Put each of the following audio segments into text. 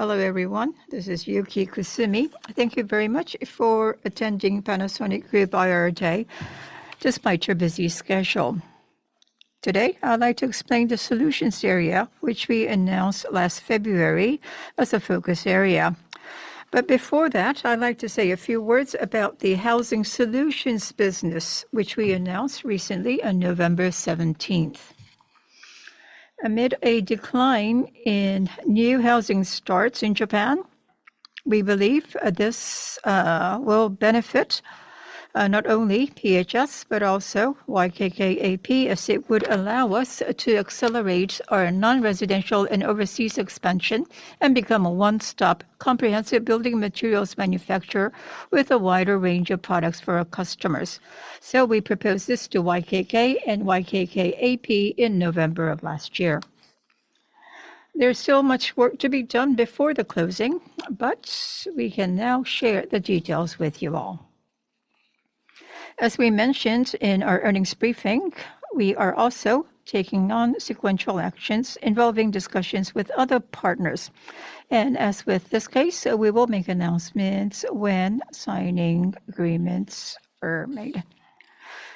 Hello everyone, this is Yuki Kusumi. Thank you very much for attending Panasonic Group IR today. Despite your busy schedule, today I'd like to explain the solutions area which we announced last February as a focus area. Before that, I'd like to say a few words about the housing solutions business which we announced recently on November 17. Amid a decline in new housing starts in Japan, we believe this will benefit not only PHS but also YKK AP as it would allow us to accelerate our non-residential and overseas expansion and become a one-stop comprehensive building materials manufacturer with a wider range of products for our customers. We proposed this to YKK and YKK AP in November of last year. There's still much work to be done before the closing, but we can now share the details with you all. As we mentioned in our earnings briefing, we are also taking on sequential actions involving discussions with other partners. As with this case, we will make announcements when signing agreements are made.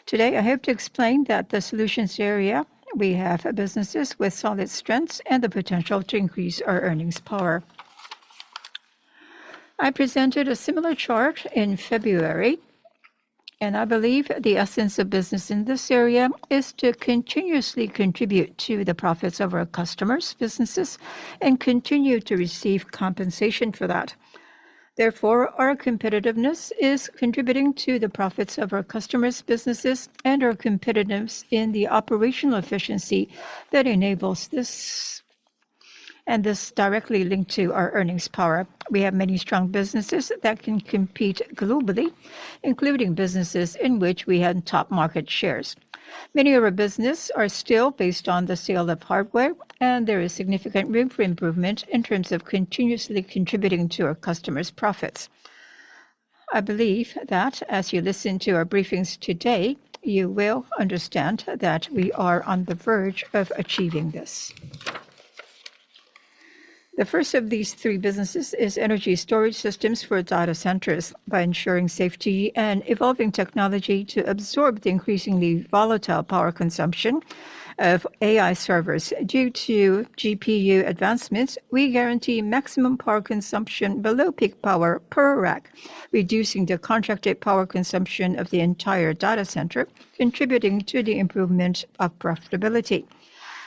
Today, I hope to explain that the solutions area we have businesses with solid strengths and the potential to increase our earnings power. I presented a similar chart in February, and I believe the essence of business in this area is to continuously contribute to the profits of our customers' businesses and continue to receive compensation for that. Therefore, our competitiveness is contributing to the profits of our customers' businesses and our competitiveness in the operational efficiency that enables this, and this is directly linked to our earnings power. We have many strong businesses that can compete globally, including businesses in which we had top market shares. Many of our businesses are still based on the sale of hardware, and there is significant room for improvement in terms of continuously contributing to our customers' profits. I believe that as you listen to our briefings today, you will understand that we are on the verge of achieving this. The first of these three businesses is energy storage systems for data centers. By ensuring safety and evolving technology to absorb the increasingly volatile power consumption of AI servers due to GPU advancements, we guarantee maximum power consumption below peak power per rack, reducing the contracted power consumption of the entire data center, contributing to the improvement of profitability.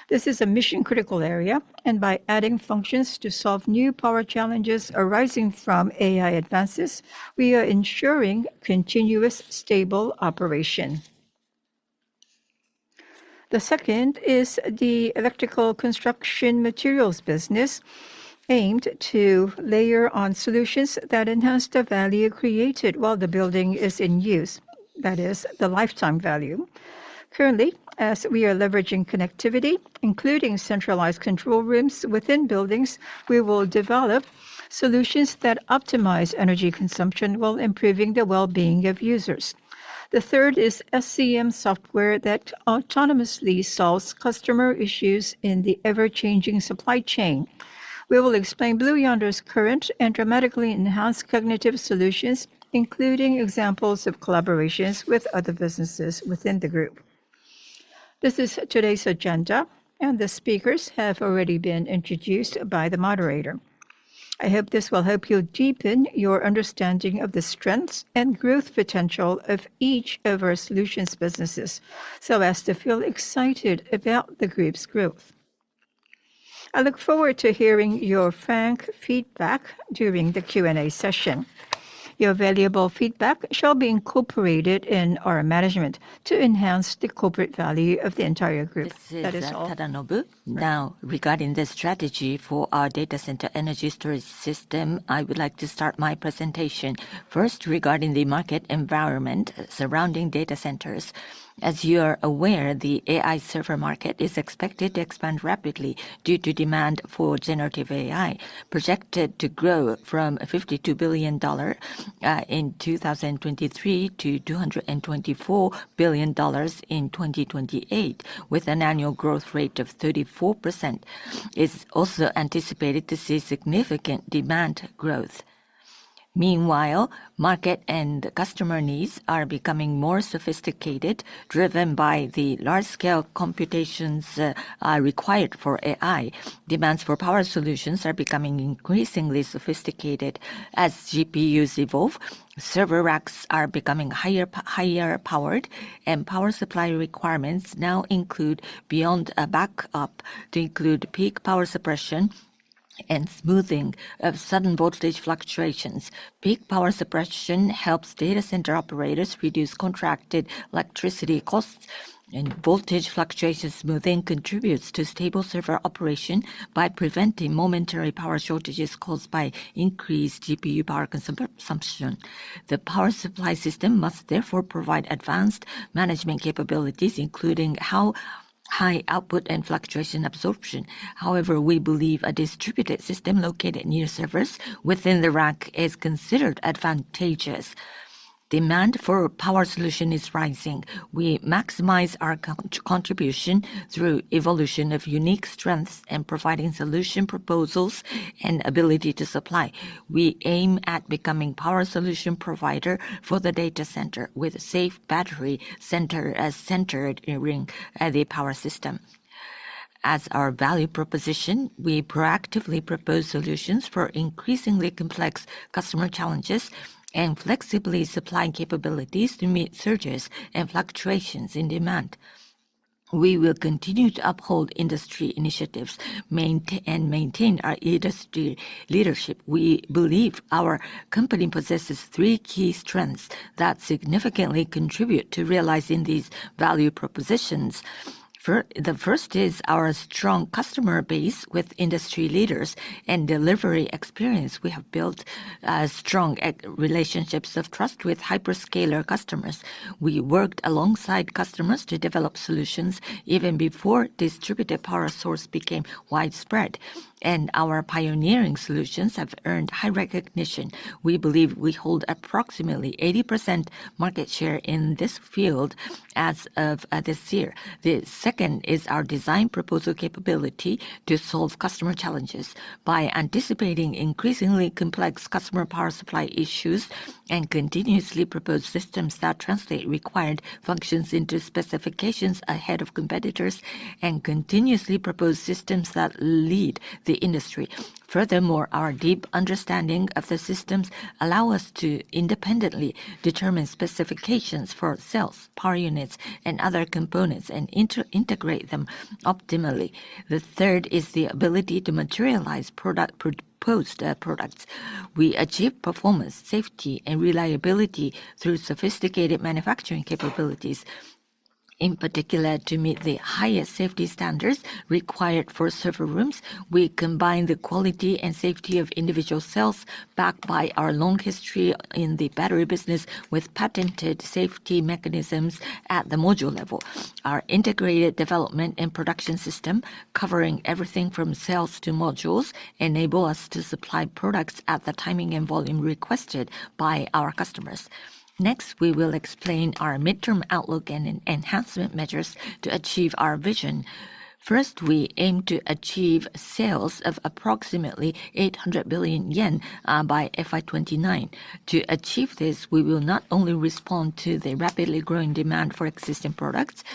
This is a mission-critical area, and by adding functions to solve new power challenges arising from AI advances, we are ensuring continuous stable operation. The second is the electrical construction materials business, aimed to layer on solutions that enhance the value created while the building is in use. That is the lifetime value. Currently, as we are leveraging connectivity, including centralized control rooms within buildings, we will develop solutions that optimize energy consumption while improving the well-being of users. The third is SCM software that autonomously solves customer issues in the ever-changing supply chain. We will explain Blue Yonder's current and dramatically enhanced cognitive solutions, including examples of collaborations with other businesses within the group. This is today's agenda, and the speakers have already been introduced by the moderator. I hope this will help you deepen your understanding of the strengths and growth potential of each of our solutions businesses, so as to feel excited about the group's growth. I look forward to hearing your frank feedback during the Q&A session. Your valuable feedback shall be incorporated in our management to enhance the corporate value of the entire group. This is Tadanobu. Now, regarding the strategy for our data center energy storage system, I would like to start my presentation first regarding the market environment surrounding data centers. As you are aware, the AI server market is expected to expand rapidly due to demand for generative AI, projected to grow from $52 billion in 2023 to $224 billion in 2028, with an annual growth rate of 34%. It's also anticipated to see significant demand growth. Meanwhile, market and customer needs are becoming more sophisticated, driven by the large-scale computations required for AI. Demands for power solutions are becoming increasingly sophisticated as GPUs evolve. Server racks are becoming higher powered, and power supply requirements now include beyond a backup to include peak power suppression and smoothing of sudden voltage fluctuations. Peak power suppression helps data center operators reduce contracted electricity costs, and voltage fluctuation smoothing contributes to stable server operation by preventing momentary power shortages caused by increased GPU power consumption. The power supply system must therefore provide advanced management capabilities, including high output and fluctuation absorption. However, we believe a distributed system located near servers within the rack is considered advantageous. Demand for power solutions is rising. We maximize our contribution through the evolution of unique strengths and providing solution proposals and ability to supply. We aim at becoming a power solution provider for the data center with a safe battery center centered in the power system. As our value proposition, we proactively propose solutions for increasingly complex customer challenges and flexibly supply capabilities to meet surges and fluctuations in demand. We will continue to uphold industry initiatives and maintain our industry leadership. We believe our company possesses three key strengths that significantly contribute to realizing these value propositions. The first is our strong customer base with industry leaders and delivery experience. We have built strong relationships of trust with hyperscaler customers. We worked alongside customers to develop solutions even before distributed power sources became widespread, and our pioneering solutions have earned high recognition. We believe we hold approximately 80% market share in this field as of this year. The second is our design proposal capability to solve customer challenges by anticipating increasingly complex customer power supply issues and continuously propose systems that translate required functions into specifications ahead of competitors and continuously propose systems that lead the industry. Furthermore, our deep understanding of the systems allows us to independently determine specifications for cells, power units, and other components and integrate them optimally. The third is the ability to materialize proposed products. We achieve performance, safety, and reliability through sophisticated manufacturing capabilities. In particular, to meet the highest safety standards required for server rooms, we combine the quality and safety of individual cells backed by our long history in the battery business with patented safety mechanisms at the module level. Our integrated development and production system, covering everything from cells to modules, enables us to supply products at the timing and volume requested by our customers. Next, we will explain our midterm outlook and enhancement measures to achieve our vision. First, we aim to achieve sales of approximately 800 billion yen by FY29. To achieve this, we will not only respond to the rapidly growing demand for existing products,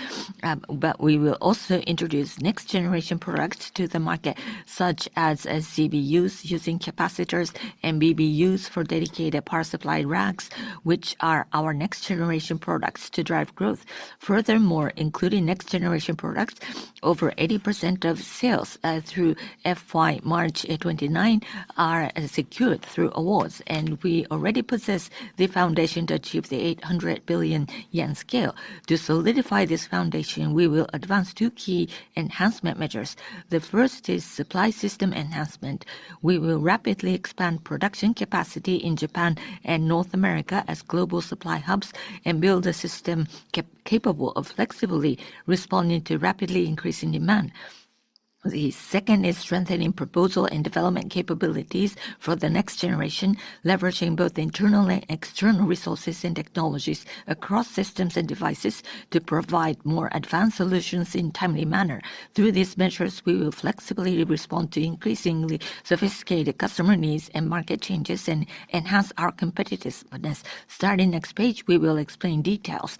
but we will also introduce next-generation products to the market, such as CBUs using capacitors and BBUs for dedicated power supply racks, which are our next-generation products to drive growth. Furthermore, including next-generation products, over 80% of sales through FY March 29 are secured through awards, and we already possess the foundation to achieve the 800 billion yen scale. To solidify this foundation, we will advance two key enhancement measures. The first is supply system enhancement. We will rapidly expand production capacity in Japan and North America as global supply hubs and build a system capable of flexibly responding to rapidly increasing demand. The second is strengthening proposal and development capabilities for the next generation, leveraging both internal and external resources and technologies across systems and devices to provide more advanced solutions in a timely manner. Through these measures, we will flexibly respond to increasingly sophisticated customer needs and market changes and enhance our competitiveness. Starting next page, we will explain details.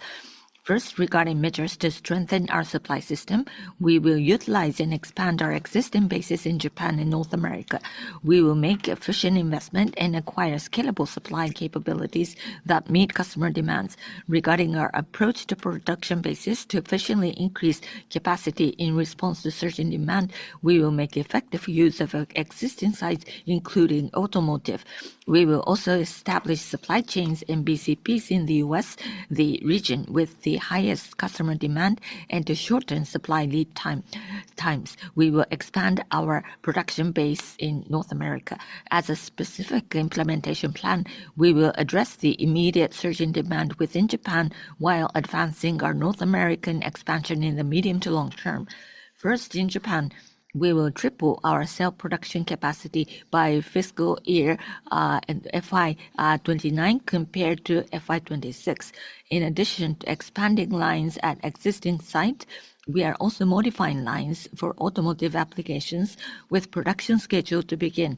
First, regarding measures to strengthen our supply system, we will utilize and expand our existing bases in Japan and North America. We will make efficient investment and acquire scalable supply capabilities that meet customer demands. Regarding our approach to production bases, to efficiently increase capacity in response to certain demand, we will make effective use of existing sites, including automotive. We will also establish supply chains and BCPs in the U.S., the region with the highest customer demand, and to shorten supply lead times. We will expand our production base in North America. As a specific implementation plan, we will address the immediate surging demand within Japan while advancing our North American expansion in the medium to long term. First, in Japan, we will triple our cell production capacity by fiscal year FY 2029 compared to FY 2026. In addition to expanding lines at existing sites, we are also modifying lines for automotive applications with production scheduled to begin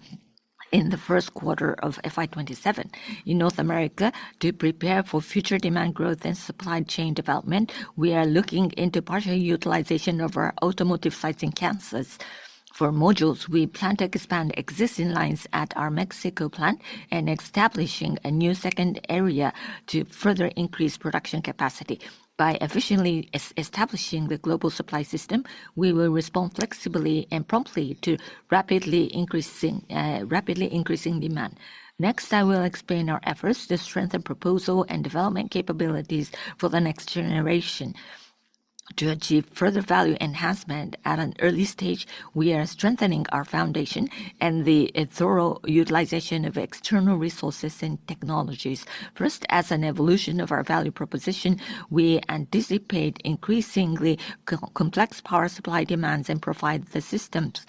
in the first quarter of FY 2027. In North America, to prepare for future demand growth and supply chain development, we are looking into partial utilization of our automotive sites in Kansas. For modules, we plan to expand existing lines at our Mexico plant and establishing a new second area to further increase production capacity. By efficiently establishing the global supply system, we will respond flexibly and promptly to rapidly increasing demand. Next, I will explain our efforts to strengthen proposal and development capabilities for the next generation. To achieve further value enhancement at an early stage, we are strengthening our foundation and the thorough utilization of external resources and technologies. First, as an evolution of our value proposition, we anticipate increasingly complex power supply demands and provide the systems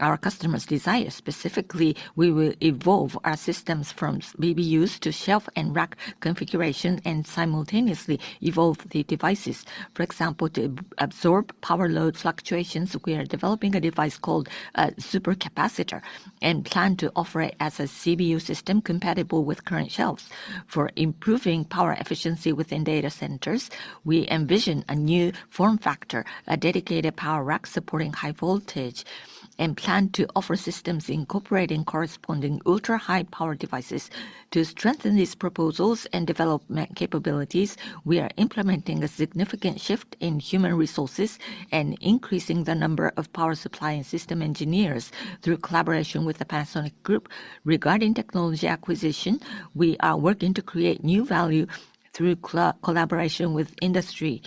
our customers desire. Specifically, we will evolve our systems from BBUs to shelf and rack configuration and simultaneously evolve the devices. For example, to absorb power load fluctuations, we are developing a device called a Supercapacitor and plan to offer it as a CBU system compatible with current shelves. For improving power efficiency within data centers, we envision a new form factor, a dedicated power rack supporting high voltage, and plan to offer systems incorporating corresponding ultra-high power devices. To strengthen these proposals and development capabilities, we are implementing a significant shift in human resources and increasing the number of power supply and system engineers through collaboration with the Panasonic Group. Regarding technology acquisition, we are working to create new value through collaboration with industry.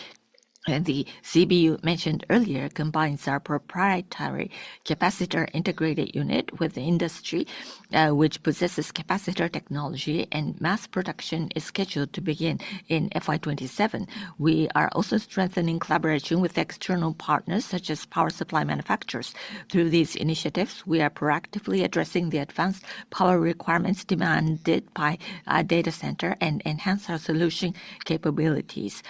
The CBU mentioned earlier combines our proprietary capacitor integrated unit with industry, which possesses capacitor technology, and mass production is scheduled to begin in FY 2027. We are also strengthening collaboration with external partners such as power supply manufacturers. Through these initiatives, we are proactively addressing the advanced power requirements demanded by data centers and enhance our solution capabilities.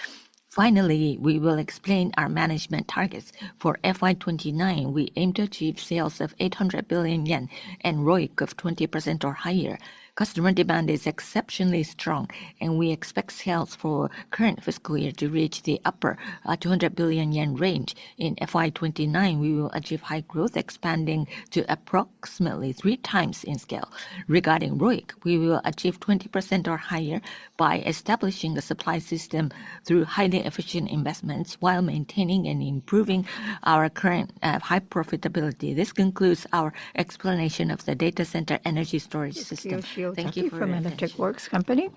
Finally, we will explain our management targets. For FY 2029, we aim to achieve sales of 800 billion yen and ROIC of 20% or higher. Customer demand is exceptionally strong, and we expect sales for the current fiscal year to reach the upper 200 billion yen range. In FY 2029, we will achieve high growth, expanding to approximately three times in scale. Regarding ROIC, we will achieve 20% or higher by establishing a supply system through highly efficient investments while maintaining and improving our current high profitability. This concludes our explanation of the data center energy storage system. Thank you. Thank you for Electric Works Company.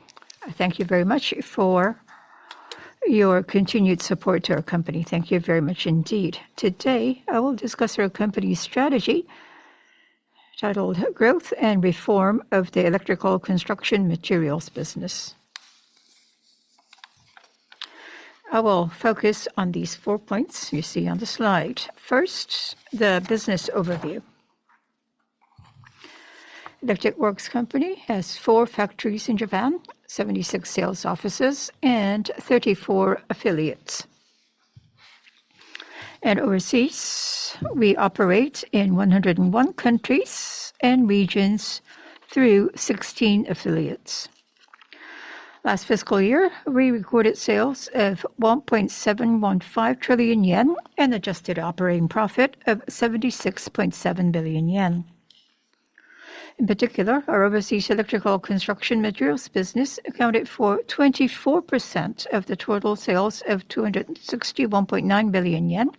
Thank you very much for your continued support to our company. Thank you very much indeed. Today, I will discuss our company's strategy titled Growth and Reform of the Electrical Construction Materials Business. I will focus on these four points you see on the slide. First, the business overview. Electric Works Company has four factories in Japan, 76 sales offices, and 34 affiliates. Overseas, we operate in 101 countries and regions through 16 affiliates. Last fiscal year, we recorded sales of 1.715 trillion yen and adjusted operating profit of 76.7 billion yen. In particular, our overseas electrical construction materials business accounted for 24% of the total sales of 261.9 billion yen,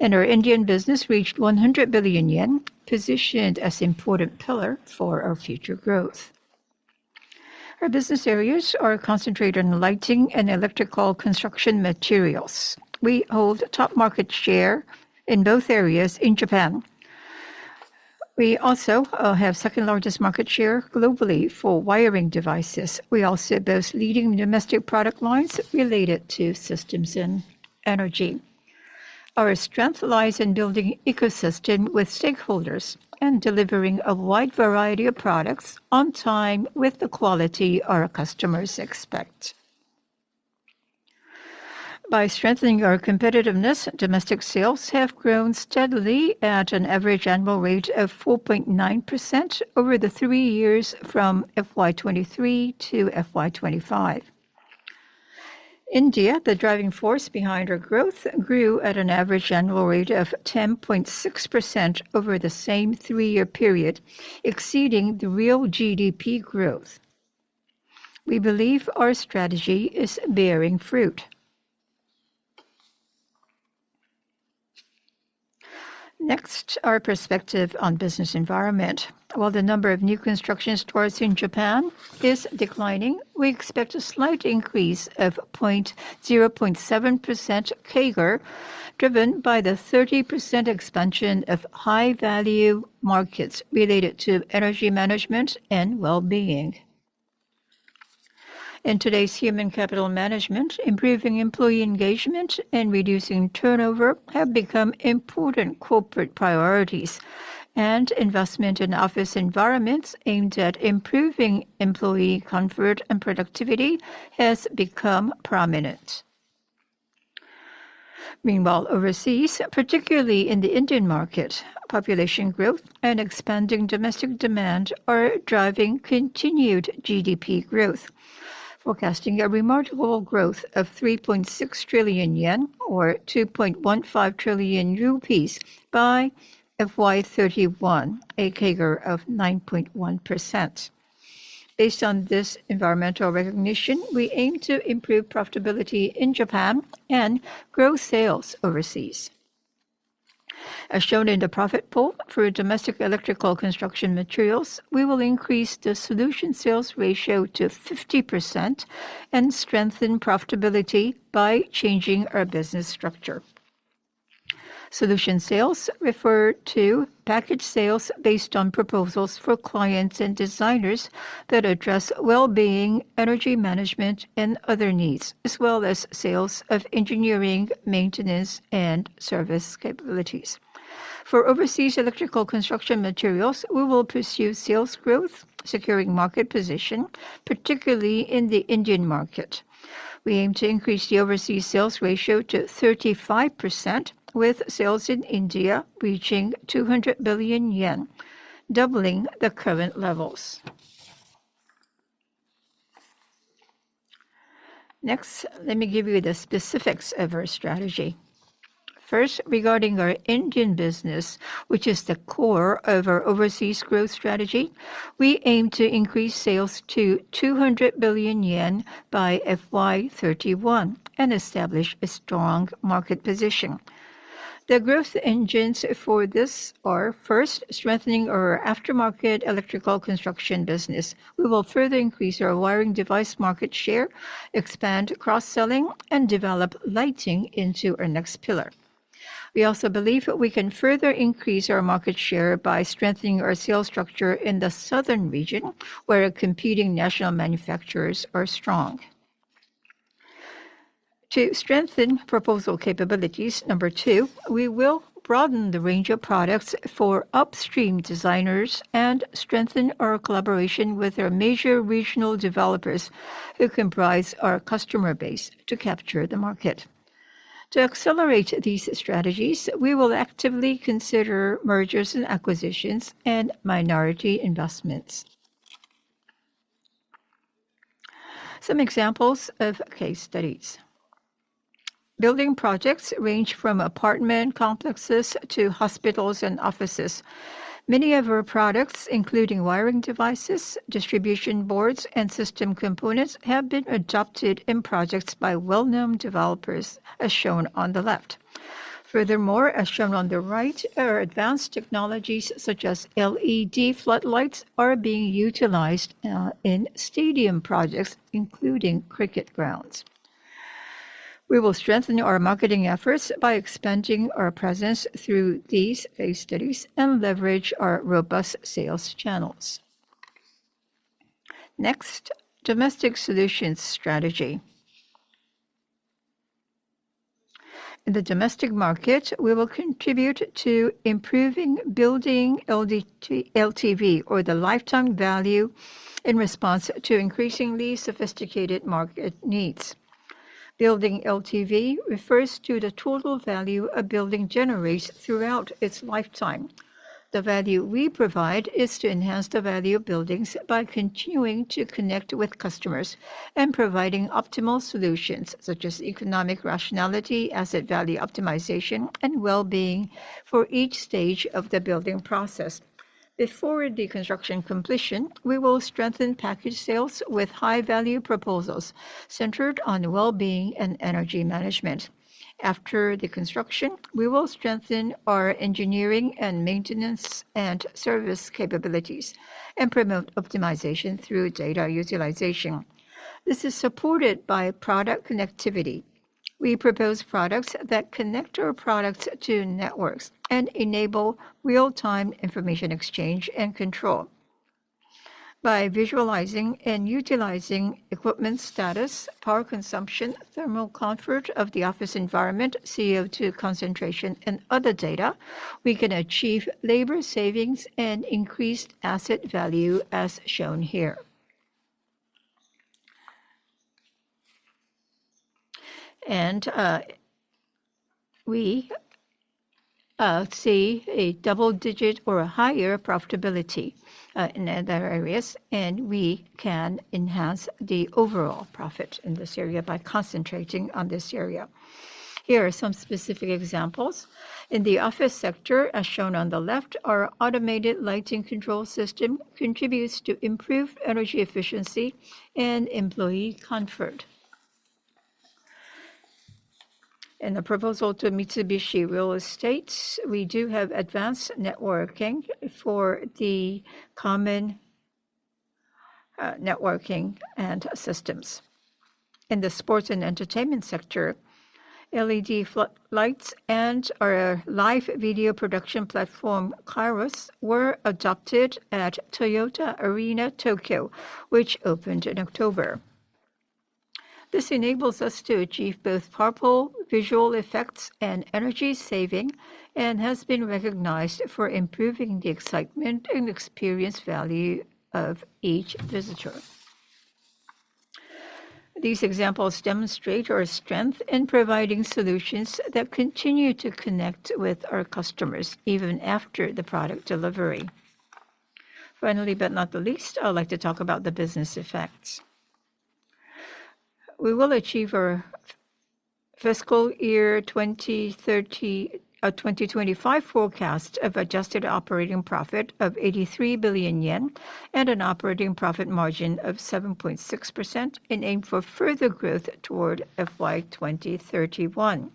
and our Indian business reached 100 billion yen, positioned as an important pillar for our future growth. Our business areas are concentrated in lighting and electrical construction materials. We hold top market share in both areas in Japan. We also have the second largest market share globally for wiring devices. We also boast leading domestic product lines related to systems and energy. Our strength lies in building an ecosystem with stakeholders and delivering a wide variety of products on time with the quality our customers expect. By strengthening our competitiveness, domestic sales have grown steadily at an average annual rate of 4.9% over the three years from FY 2023-FY 2025. India, the driving force behind our growth, grew at an average annual rate of 10.6% over the same three-year period, exceeding the real GDP growth. We believe our strategy is bearing fruit. Next, our perspective on the business environment. While the number of new construction stores in Japan is declining, we expect a slight increase of 0.7% CAGR, driven by the 30% expansion of high-value markets related to energy management and well-being. In today's human capital management, improving employee engagement and reducing turnover have become important corporate priorities, and investment in office environments aimed at improving employee comfort and productivity has become prominent. Meanwhile, overseas, particularly in the Indian market, population growth and expanding domestic demand are driving continued GDP growth, forecasting a remarkable growth of 3.6 trillion yen or 2.15 trillion rupees by FY 2031, a CAGR of 9.1%. Based on this environmental recognition, we aim to improve profitability in Japan and grow sales overseas. As shown in the profit pull for domestic electrical construction materials, we will increase the solution sales ratio to 50% and strengthen profitability by changing our business structure. Solution sales refer to package sales based on proposals for clients and designers that address well-being, energy management, and other needs, as well as sales of engineering, maintenance, and service capabilities. For overseas electrical construction materials, we will pursue sales growth, securing market position, particularly in the Indian market. We aim to increase the overseas sales ratio to 35%, with sales in India reaching 200 billion yen, doubling the current levels. Next, let me give you the specifics of our strategy. First, regarding our Indian business, which is the core of our overseas growth strategy, we aim to increase sales to 200 billion yen by FY 2031 and establish a strong market position. The growth engines for this are first, strengthening our aftermarket electrical construction business. We will further increase our wiring device market share, expand cross-selling, and develop lighting into our next pillar. We also believe we can further increase our market share by strengthening our sales structure in the southern region, where our competing national manufacturers are strong. To strengthen proposal capabilities, number two, we will broaden the range of products for upstream designers and strengthen our collaboration with our major regional developers who comprise our customer base to capture the market. To accelerate these strategies, we will actively consider mergers and acquisitions and minority investments. Some examples of case studies. Building projects range from apartment complexes to hospitals and offices. Many of our products, including wiring devices, distribution boards, and system components, have been adopted in projects by well-known developers, as shown on the left. Furthermore, as shown on the right, our advanced technologies such as LED floodlights are being utilized in stadium projects, including cricket grounds. We will strengthen our marketing efforts by expanding our presence through these case studies and leverage our robust sales channels. Next, Domestic Solutions Strategy. In the domestic market, we will contribute to improving building LTV, or the lifetime value, in response to increasingly sophisticated market needs. Building LTV refers to the total value a building generates throughout its lifetime. The value we provide is to enhance the value of buildings by continuing to connect with customers and providing optimal solutions such as economic rationality, asset value optimization, and well-being for each stage of the building process. Before the construction completion, we will strengthen package sales with high-value proposals centered on well-being and energy management. After the construction, we will strengthen our engineering and maintenance and service capabilities and promote optimization through data utilization. This is supported by product connectivity. We propose products that connect our products to networks and enable real-time information exchange and control. By visualizing and utilizing equipment status, power consumption, thermal comfort of the office environment, CO2 concentration, and other data, we can achieve labor savings and increased asset value, as shown here. We see a double-digit or higher profitability in other areas, and we can enhance the overall profit in this area by concentrating on this area. Here are some specific examples. In the office sector, as shown on the left, our automated lighting control system contributes to improved energy efficiency and employee comfort. In the proposal to Mitsubishi Real Estates, we do have advanced networking for the common networking and systems. In the sports and entertainment sector, LED floodlights and our live video production platform, KAIROS, were adopted at Toyota Arena Tokyo, which opened in October. This enables us to achieve both powerful visual effects and energy saving and has been recognized for improving the excitement and experience value of each visitor. These examples demonstrate our strength in providing solutions that continue to connect with our customers even after the product delivery. Finally, but not the least, I'd like to talk about the business effects. We will achieve our fiscal year 2025 forecast of adjusted operating profit of 83 billion yen and an operating profit margin of 7.6% in aim for further growth toward FY 2031.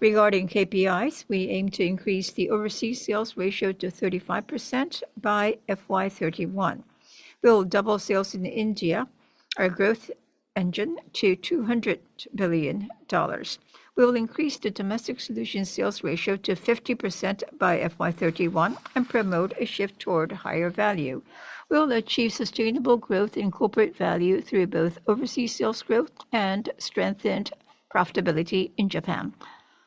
Regarding KPIs, we aim to increase the overseas sales ratio to 35% by FY 2031. We'll double sales in India, our growth engine, to JPY 200 billion. We will increase the domestic solution sales ratio to 50% by FY 2031 and promote a shift toward higher value. We'll achieve sustainable growth in corporate value through both overseas sales growth and strengthened profitability in Japan.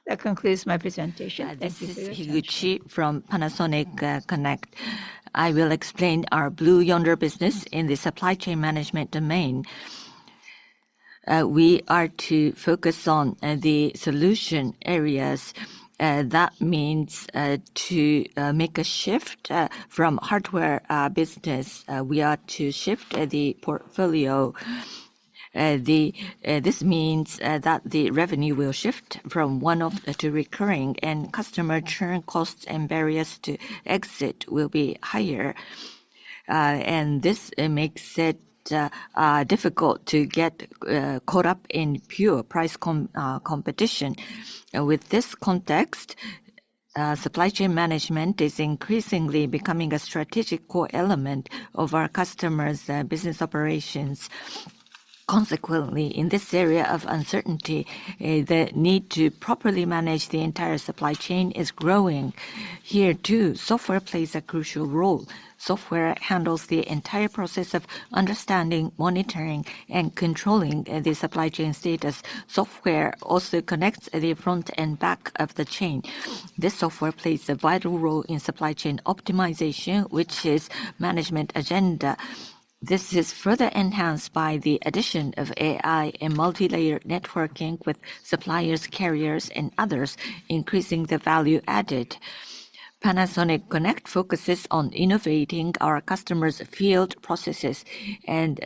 That concludes my presentation. Thank you for your attention. Higuchi from Panasonic Connect. I will explain our Blue Yonder business in the supply chain management domain. We are to focus on the solution areas. That means to make a shift from hardware business. We are to shift the portfolio. This means that the revenue will shift from one-off to recurring, and customer churn costs and barriers to exit will be higher. This makes it difficult to get caught up in pure price competition. With this context, supply chain management is increasingly becoming a strategic core element of our customers' business operations. Consequently, in this area of uncertainty, the need to properly manage the entire supply chain is growing. Here, too, software plays a crucial role. Software handles the entire process of understanding, monitoring, and controlling the supply chain status. Software also connects the front and back of the chain. This software plays a vital role in supply chain optimization, which is management agenda. This is further enhanced by the addition of AI and multi-layer networking with suppliers, carriers, and others, increasing the value added. Panasonic Connect focuses on innovating our customers' field processes, and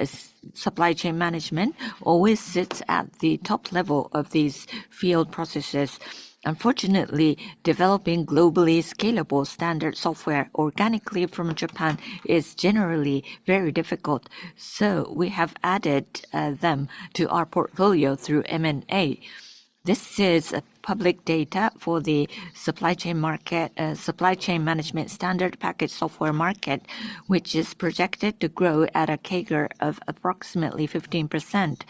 supply chain management always sits at the top level of these field processes. Unfortunately, developing globally scalable standard software organically from Japan is generally very difficult, so we have added them to our portfolio through M&A. This is public data for the supply chain market, supply chain management standard package software market, which is projected to grow at a CAGR of approximately 15%.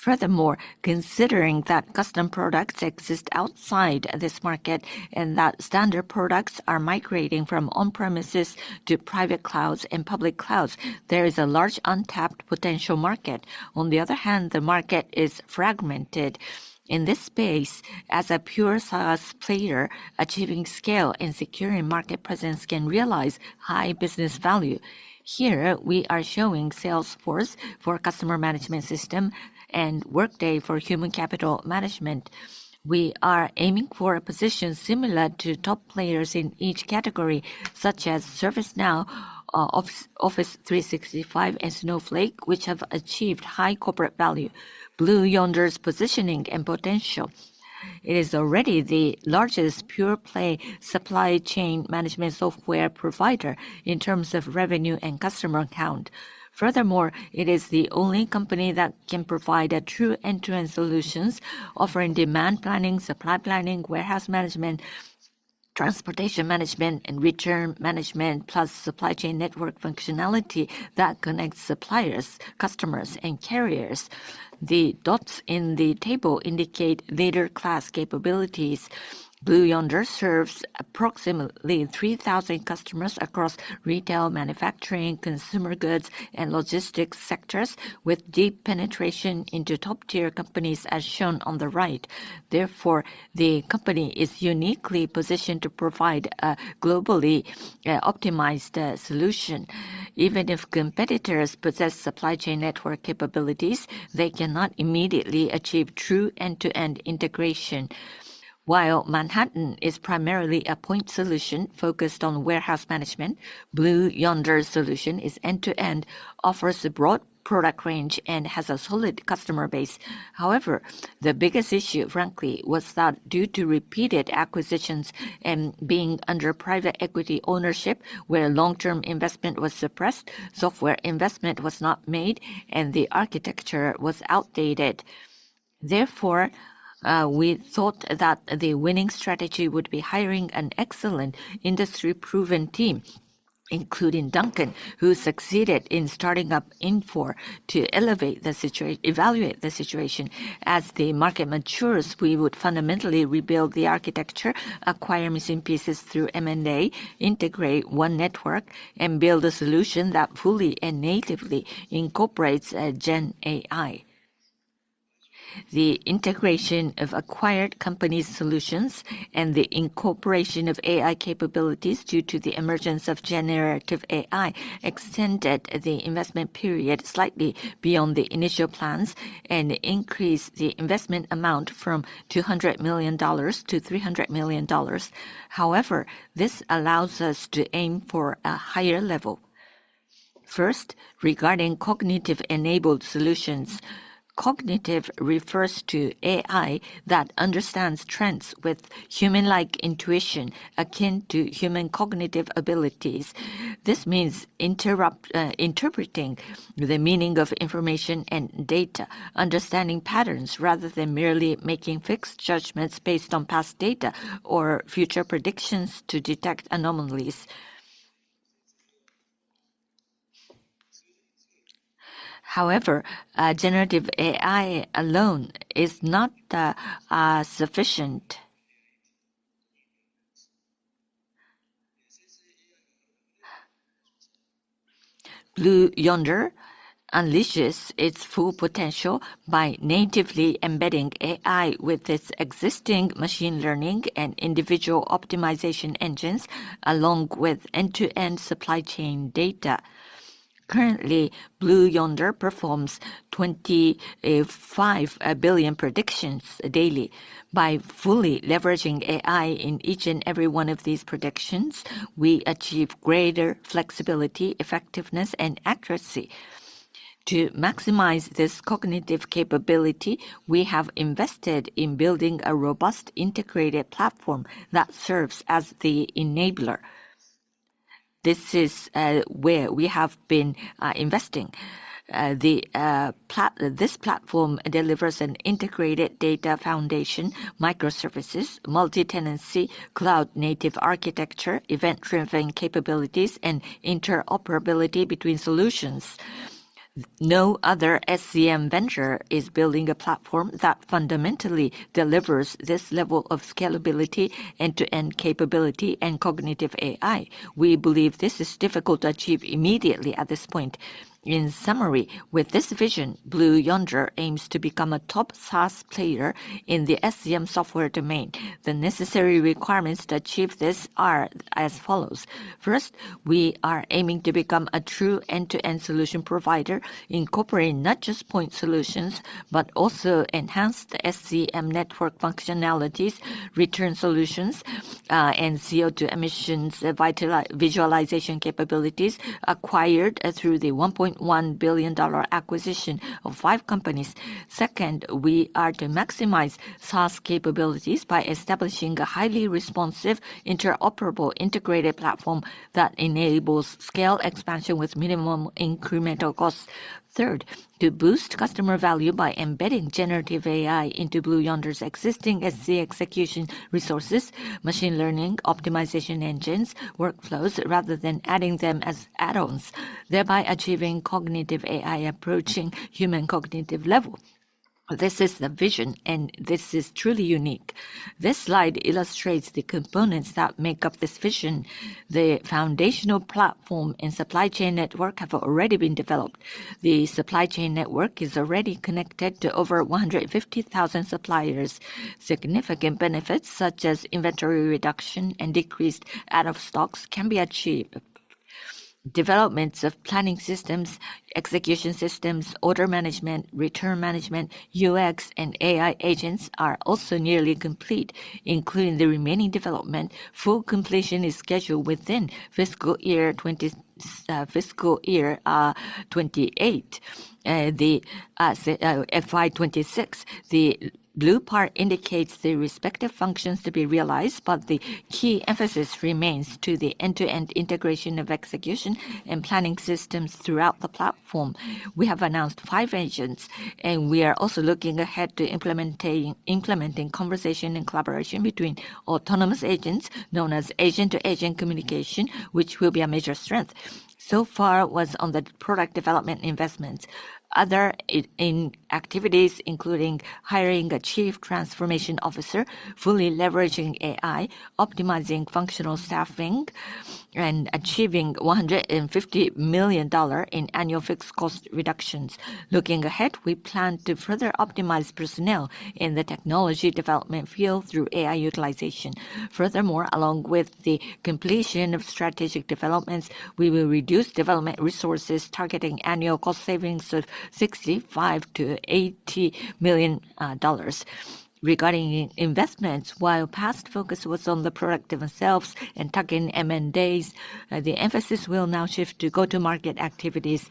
Furthermore, considering that custom products exist outside this market and that standard products are migrating from on-premises to private clouds and public clouds, there is a large untapped potential market. On the other hand, the market is fragmented. In this space, as a pure SaaS player, achieving scale and securing market presence can realize high business value. Here, we are showing Salesforce for customer management system and Workday for human capital management. We are aiming for a position similar to top players in each category, such as ServiceNow, Microsoft 365, and Snowflake, which have achieved high corporate value. Blue Yonder's positioning and potential. It is already the largest pure-play supply chain management software provider in terms of revenue and customer count. Furthermore, it is the only company that can provide true end-to-end solutions, offering demand planning, supply planning, warehouse management, transportation management, and return management, plus supply chain network functionality that connects suppliers, customers, and carriers. The dots in the table indicate later class capabilities. Blue Yonder serves approximately 3,000 customers across retail, manufacturing, consumer goods, and logistics sectors, with deep penetration into top-tier companies, as shown on the right. Therefore, the company is uniquely positioned to provide a globally optimized solution. Even if competitors possess supply chain network capabilities, they cannot immediately achieve true end-to-end integration. While Manhattan is primarily a point solution focused on warehouse management, Blue Yonder's solution is end-to-end, offers a broad product range, and has a solid customer base. However, the biggest issue, frankly, was that due to repeated acquisitions and being under private equity ownership, where long-term investment was suppressed, software investment was not made, and the architecture was outdated. Therefore, we thought that the winning strategy would be hiring an excellent industry-proven team, including Duncan, who succeeded in starting up Infor to evaluate the situation. As the market matures, we would fundamentally rebuild the architecture, acquire missing pieces through M&A, integrate one network, and build a solution that fully and natively incorporates GenAI. The integration of acquired company solutions and the incorporation of AI capabilities due to the emergence of generative AI extended the investment period slightly beyond the initial plans and increased the investment amount from $200 million-$300 million. However, this allows us to aim for a higher level. First, regarding cognitive-enabled solutions. Cognitive refers to AI that understands trends with human-like intuition akin to human cognitive abilities. This means interpreting the meaning of information and data, understanding patterns rather than merely making fixed judgments based on past data or future predictions to detect anomalies. However, generative AI alone is not sufficient. Blue Yonder unleashes its full potential by natively embedding AI with its existing machine learning and individual optimization engines, along with end-to-end supply chain data. Currently, Blue Yonder performs 25 billion predictions daily. By fully leveraging AI in each and every one of these predictions, we achieve greater flexibility, effectiveness, and accuracy. To maximize this cognitive capability, we have invested in building a robust integrated platform that serves as the enabler. This is where we have been investing. This platform delivers an integrated data foundation, microservices, multi-tenancy, cloud-native architecture, event-driven capabilities, and interoperability between solutions. No other SCM vendor is building a platform that fundamentally delivers this level of scalability, end-to-end capability, and cognitive AI. We believe this is difficult to achieve immediately at this point. In summary, with this vision, Blue Yonder aims to become a top SaaS player in the SCM software domain. The necessary requirements to achieve this are as follows. First, we are aiming to become a true end-to-end solution provider, incorporating not just point solutions, but also enhanced SCM network functionalities, return solutions, and CO2 emissions visualization capabilities acquired through the $1.1 billion acquisition of five companies. Second, we are to maximize SaaS capabilities by establishing a highly responsive, interoperable, integrated platform that enables scale expansion with minimum incremental costs. Third, to boost customer value by embedding generative AI into Blue Yonder's existing SC execution resources, machine learning optimization engines, workflows, rather than adding them as add-ons, thereby achieving cognitive AI approaching human cognitive level. This is the vision, and this is truly unique. This slide illustrates the components that make up this vision. The foundational platform and supply chain network have already been developed. The supply chain network is already connected to over 150,000 suppliers. Significant benefits such as inventory reduction and decreased out-of-stock can be achieved. Developments of planning systems, execution systems, order management, return management, UX, and AI agents are also nearly complete, including the remaining development. Full completion is scheduled within fiscal year 2028. In FY 2026, the blue part indicates the respective functions to be realized, but the key emphasis remains to the end-to-end integration of execution and planning systems throughout the platform. We have announced five engines, and we are also looking ahead to implementing conversation and collaboration between autonomous agents, known as agent-to-agent communication, which will be a major strength. It was on the product development investments. Other activities, including hiring a Chief Transformation Officer, fully leveraging AI, optimizing functional staffing, and achieving $150 million in annual fixed cost reductions. Looking ahead, we plan to further optimize personnel in the technology development field through AI utilization. Furthermore, along with the completion of strategic developments, we will reduce development resources, targeting annual cost savings of $65 million-$80 million. Regarding investments, while past focus was on the products themselves and tackling M&As, the emphasis will now shift to go-to-market activities.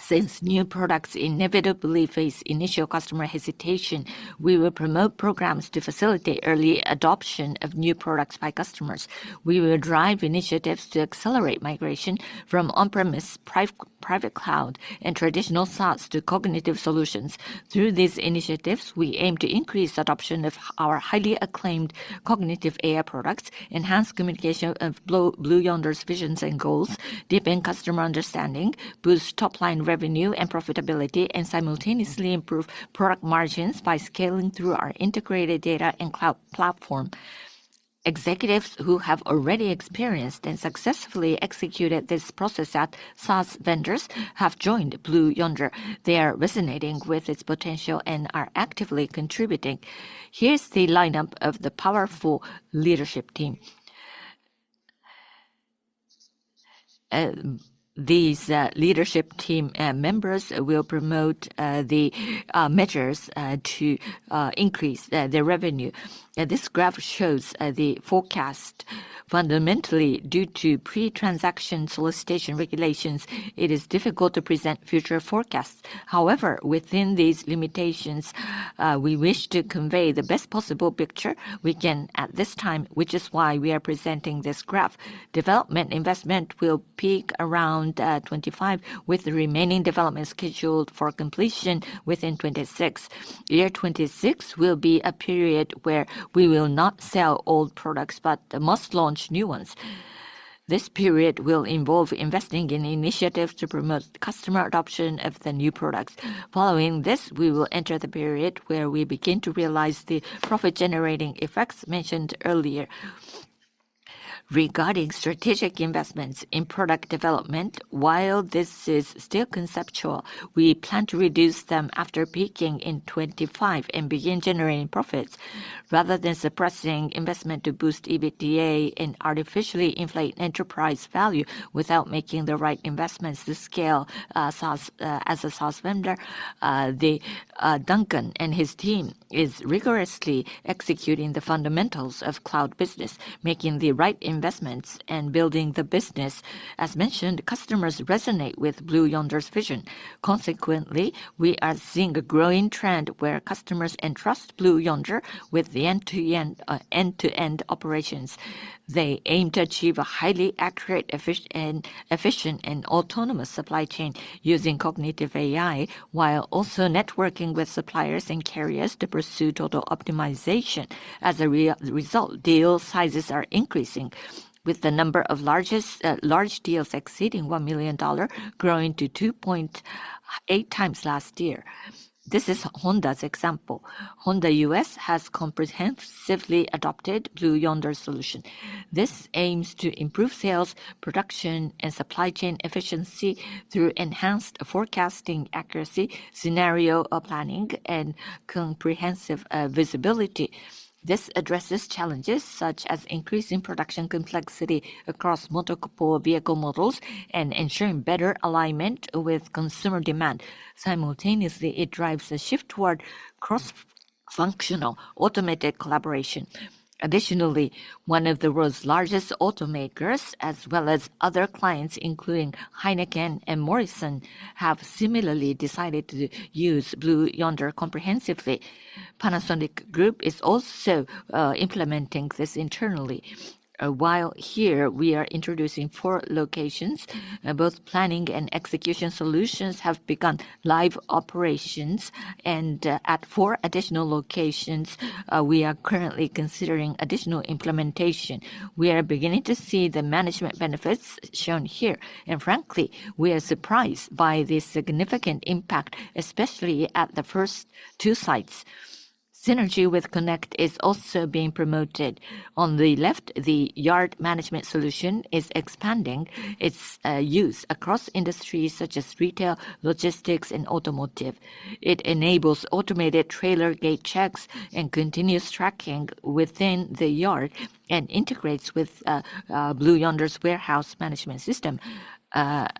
Since new products inevitably face initial customer hesitation, we will promote programs to facilitate early adoption of new products by customers. We will drive initiatives to accelerate migration from on-premise, private cloud, and traditional SaaS to cognitive solutions. Through these initiatives, we aim to increase adoption of our highly acclaimed cognitive AI products, enhance communication of Blue Yonder's visions and goals, deepen customer understanding, boost top-line revenue and profitability, and simultaneously improve product margins by scaling through our integrated data and cloud platform. Executives who have already experienced and successfully executed this process at SaaS vendors have joined Blue Yonder. They are resonating with its potential and are actively contributing. Here's the lineup of the powerful leadership team. These leadership team members will promote the measures to increase their revenue. This graph shows the forecast. Fundamentally, due to pre-transaction solicitation regulations, it is difficult to present future forecasts. However, within these limitations, we wish to convey the best possible picture we can at this time, which is why we are presenting this graph. Development investment will peak around 2025, with the remaining development scheduled for completion within 2026. Year 2026 will be a period where we will not sell old products, but must launch new ones. This period will involve investing in initiatives to promote customer adoption of the new products. Following this, we will enter the period where we begin to realize the profit-generating effects mentioned earlier. Regarding strategic investments in product development, while this is still conceptual, we plan to reduce them after peaking in 2025 and begin generating profits. Rather than suppressing investment to boost EBITDA and artificially inflate enterprise value without making the right investments to scale as a SaaS vendor, Duncan and his team are rigorously executing the fundamentals of cloud business, making the right investments and building the business. As mentioned, customers resonate with Blue Yonder's vision. Consequently, we are seeing a growing trend where customers entrust Blue Yonder with the end-to-end operations. They aim to achieve a highly accurate, efficient, and autonomous supply chain using cognitive AI, while also networking with suppliers and carriers to pursue total optimization. As a result, deal sizes are increasing, with the number of large deals exceeding $1 million, growing to 2.8x last year. This is Honda's example. Honda U.S. has comprehensively adopted Blue Yonder's solution. This aims to improve sales, production, and supply chain efficiency through enhanced forecasting accuracy, scenario planning, and comprehensive visibility. This addresses challenges such as increasing production complexity across multiple vehicle models and ensuring better alignment with consumer demand. Simultaneously, it drives a shift toward cross-functional automated collaboration. Additionally, one of the world's largest automakers, as well as other clients, including Heineken and Morrisons, have similarly decided to use Blue Yonder comprehensively. Panasonic Group is also implementing this internally. While here, we are introducing four locations. Both planning and execution solutions have begun live operations, and at four additional locations, we are currently considering additional implementation. We are beginning to see the management benefits shown here. Frankly, we are surprised by the significant impact, especially at the first two sites. Synergy with Connect is also being promoted. On the left, the yard management solution is expanding its use across industries such as retail, logistics, and automotive. It enables automated trailer gate checks and continuous tracking within the yard and integrates with Blue Yonder's warehouse management system.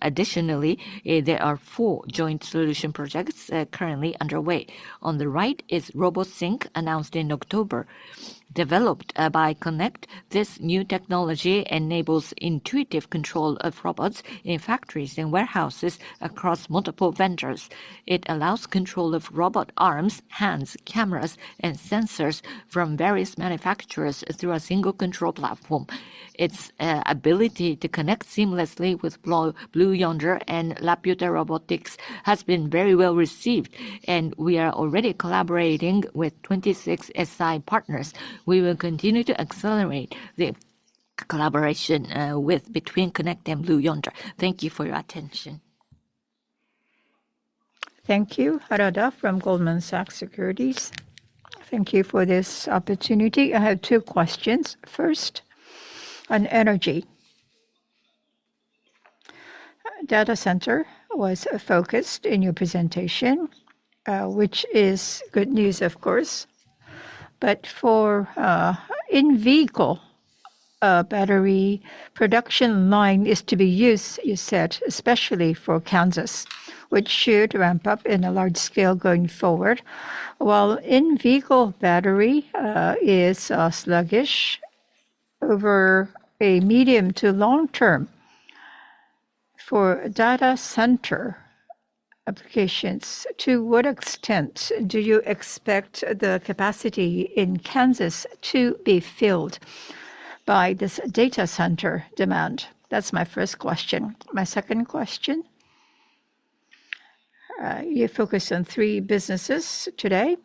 Additionally, there are four joint solution projects currently underway. On the right is RoboSync, announced in October. Developed by Connect, this new technology enables intuitive control of robots in factories and warehouses across multiple vendors. It allows control of robot arms, hands, cameras, and sensors from various manufacturers through a single control platform. Its ability to connect seamlessly with Blue Yonder and Rapyuta Robotics has been very well received, and we are already collaborating with 26 SI partners. We will continue to accelerate the collaboration between Connect and Blue Yonder. Thank you for your attention. Thank you, Harada from Goldman Sachs. Thank you for this opportunity. I have two questions. First, on energy. Data center was focused in your presentation, which is good news, of course. For in-vehicle battery production line is to be used, you said, especially for Kansas, which should ramp up in a large scale going forward. While in-vehicle battery is sluggish over a medium to long term for data center applications, to what extent do you expect the capacity in Kansas to be filled by this data center demand? That's my first question. My second question. You focus on three businesses today.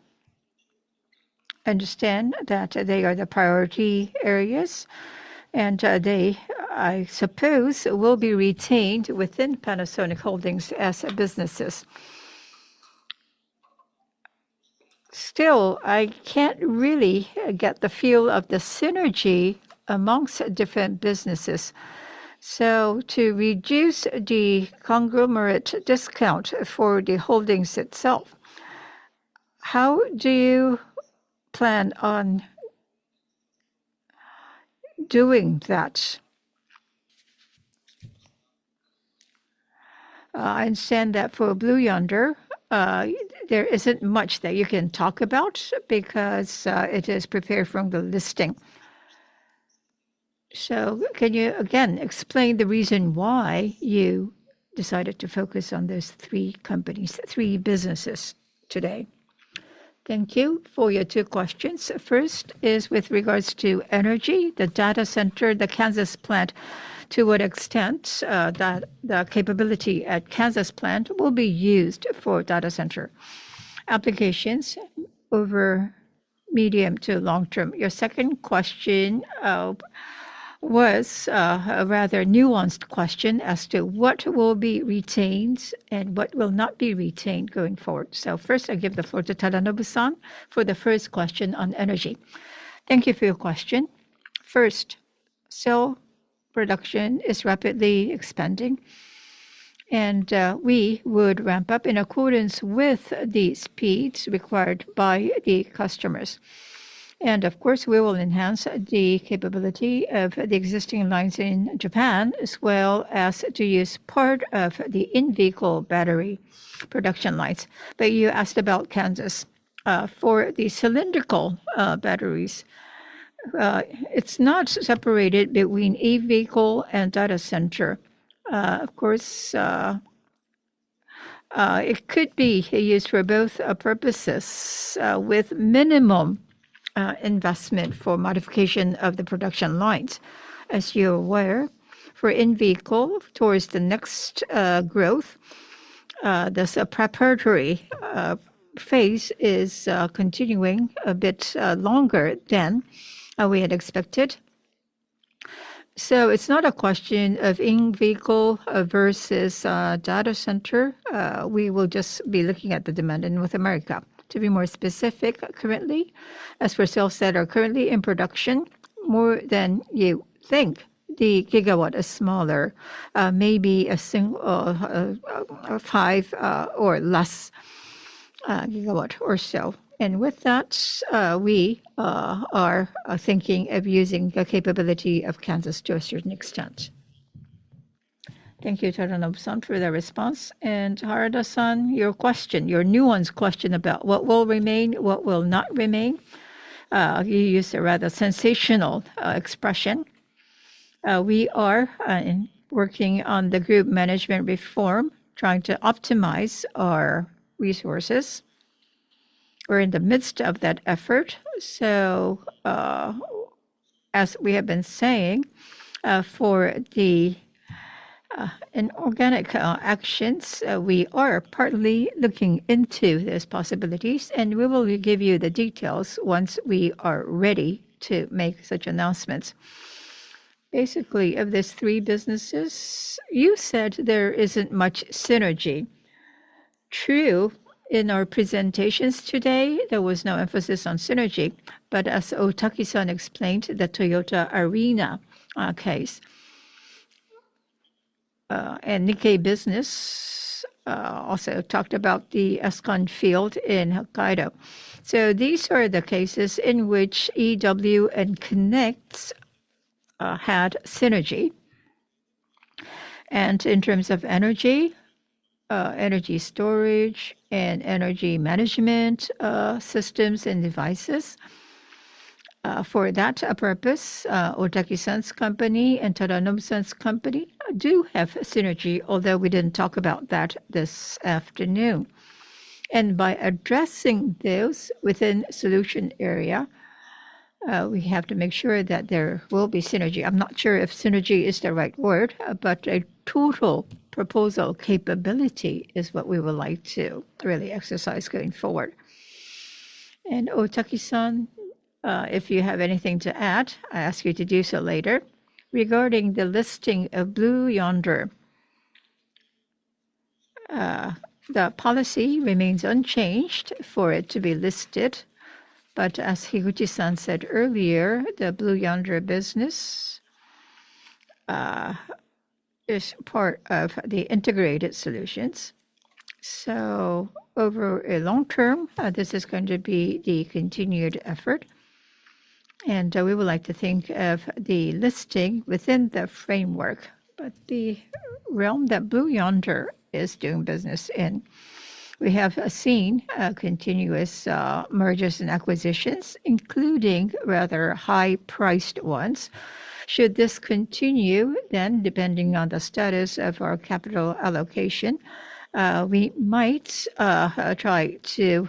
I understand that they are the priority areas, and they, I suppose, will be retained within Panasonic Holdings as businesses. Still, I can't really get the feel of the synergy amongst different businesses. To reduce the conglomerate discount for the holdings itself, how do you plan on doing that? I understand that for Blue Yonder, there isn't much that you can talk about because it is prepared from the listing. Can you again explain the reason why you decided to focus on these three companies, three businesses today? Thank you for your two questions. First is with regards to energy, the data center, the Kansas plant, to what extent the capability at Kansas plant will be used for data center applications over medium to long term. Your second question was a rather nuanced question as to what will be retained and what will not be retained going forward. First, I give the floor to Tadanobu-san for the first question on energy. Thank you for your question. First, cell production is rapidly expanding, and we would ramp up in accordance with the speeds required by the customers. Of course, we will enhance the capability of the existing lines in Japan, as well as use part of the in-vehicle battery production lines. You asked about Kansas. For the cylindrical batteries, it is not separated between e-vehicle and data center. It could be used for both purposes with minimum investment for modification of the production lines. As you are aware, for in-vehicle, towards the next growth, this preparatory phase is continuing a bit longer than we had expected. It is not a question of in-vehicle versus data center. We will just be looking at the demand in North America. To be more specific, currently, as for cell set, they are currently in production more than you think, the gigawatt is smaller, maybe a single five or less gigawatt or so. With that, we are thinking of using the capability of Kansas to a certain extent. Thank you, Tadanobu-san, for the response. Harada-san, your question, your nuanced question about what will remain, what will not remain, you used a rather sensational expression. We are working on the group management reform, trying to optimize our resources. We're in the midst of that effort. As we have been saying, for the organic actions, we are partly looking into those possibilities, and we will give you the details once we are ready to make such announcements. Basically, of these three businesses, you said there isn't much synergy. True, in our presentations today, there was no emphasis on synergy. As Otaki-san explained, the Toyota Arena case, and Nikkei Business also talked about the Es Con Field in Hokkaido. These are the cases in which Electric Works and Connect had synergy. In terms of energy, energy storage, and energy management systems and devices, for that purpose, Otaki-san's company and Tadanobu-san's company do have synergy, although we did not talk about that this afternoon. By addressing those within the solution area, we have to make sure that there will be synergy. I am not sure if synergy is the right word, but a total proposal capability is what we would like to really exercise going forward. Otaki-san, if you have anything to add, I ask you to do so later. Regarding the listing of Blue Yonder, the policy remains unchanged for it to be listed. As Higuchi-san said earlier, the Blue Yonder business is part of the integrated solutions. Over a long term, this is going to be the continued effort. We would like to think of the listing within the framework, but the realm that Blue Yonder is doing business in. We have seen continuous mergers and acquisitions, including rather high-priced ones. Should this continue, then depending on the status of our capital allocation, we might try to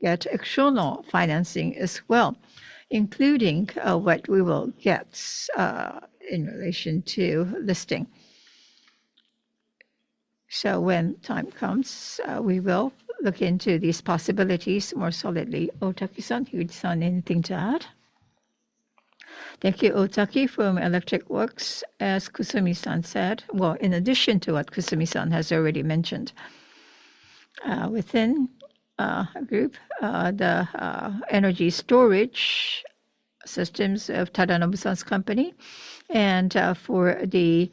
get external financing as well, including what we will get in relation to listing. When time comes, we will look into these possibilities more solidly. Otaki-san, Higuchi-san, anything to add? Thank you, Otaki from Electric Works. As Kusumi-san said, in addition to what Kusumi-san has already mentioned, within our group, the energy storage systems of Tadanobu-san's company and for the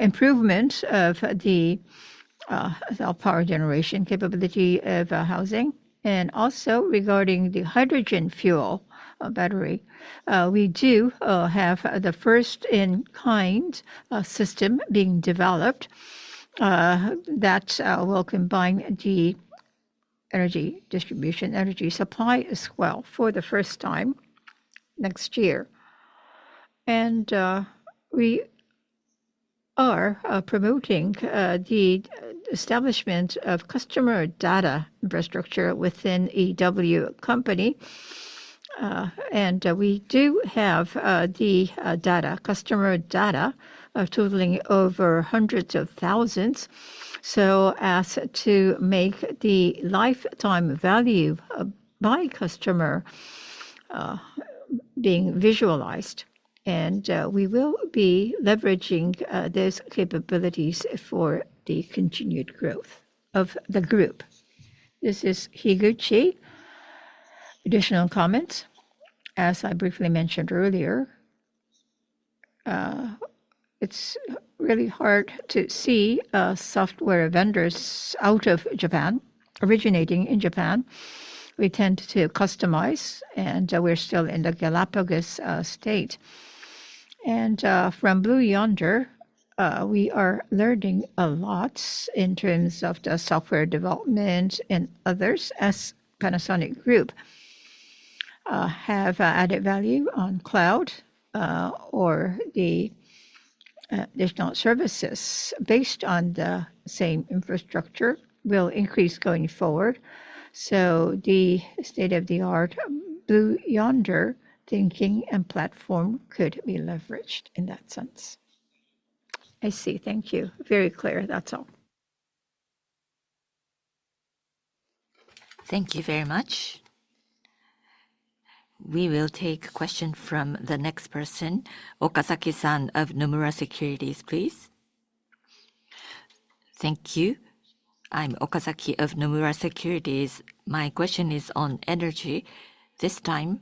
improvement of the power generation capability of housing. Regarding the hydrogen fuel battery, we do have the first-in-kind system being developed that will combine the energy distribution and energy supply as well for the first time next year. We are promoting the establishment of customer data infrastructure within EW Company. We do have the customer data totaling over hundreds of thousands, so as to make the lifetime value by customer being visualized. We will be leveraging those capabilities for the continued growth of the group. This is Higuchi. Additional comments. As I briefly mentioned earlier, it is really hard to see software vendors out of Japan, originating in Japan. We tend to customize, and we are still in the Galapagos state. From Blue Yonder, we are learning a lot in terms of the software development and others as Panasonic Group have added value on cloud or the additional services based on the same infrastructure will increase going forward. The state-of-the-art Blue Yonder thinking and platform could be leveraged in that sense. I see. Thank you. Very clear. That's all. Thank you very much. We will take a question from the next person, Okazaki-san of Nomura Securities, please. Thank you. I'm Okazaki of Nomura Securities. My question is on energy. This time,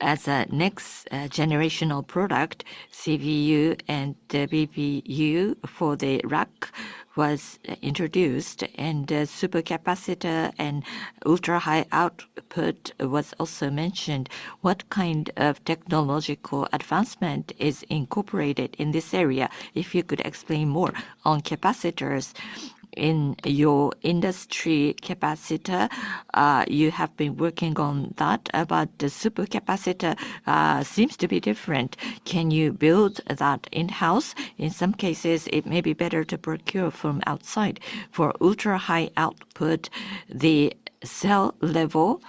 as a next generational product, CBU and WBU for the rack was introduced and supercapacitor and ultra-high output was also mentioned, what kind of technological advancement is incorporated in this area? If you could explain more on capacitors in your industry capacitor, you have been working on that, but the supercapacitor seems to be different. Can you build that in-house? In some cases, it may be better to procure from outside. For ultra-high output, the cell level,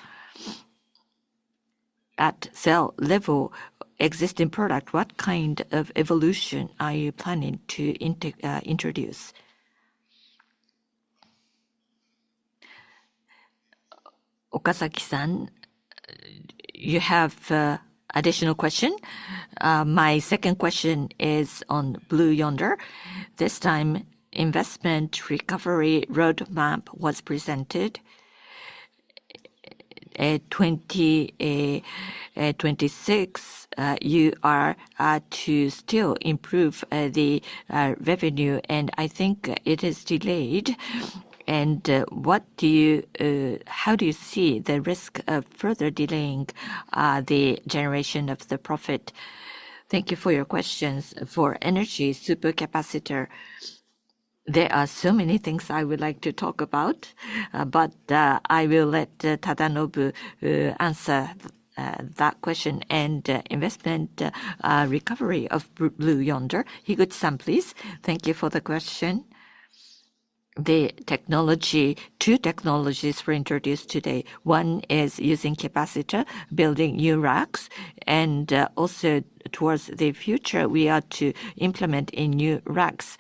at cell level, existing product, what kind of evolution are you planning to introduce? Okazaki-san, you have an additional question. My second question is on Blue Yonder. This time, investment recovery roadmap was presented in 2026. You are to still improve the revenue, and I think it is delayed. How do you see the risk of further delaying the generation of the profit? Thank you for your questions. For energy supercapacitor, there are so many things I would like to talk about, but I will let Tadanobu answer that question and investment recovery of Blue Yonder. Higuchi-san, please. Thank you for the question. The two technologies were introduced today. One is using capacitor, building new racks, and also towards the future, we are to implement a new racks.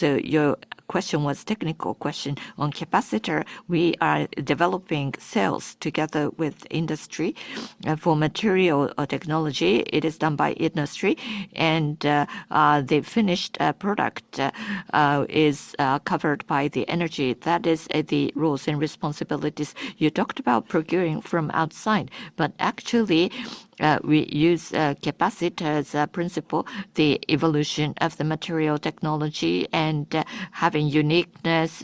Your question was a technical question on capacitor. We are developing cells together with industry for material or technology. It is done by industry, and the finished product is covered by the energy. That is the roles and responsibilities you talked about procuring from outside. Actually, we use capacity as a principle, the evolution of the material technology and having uniqueness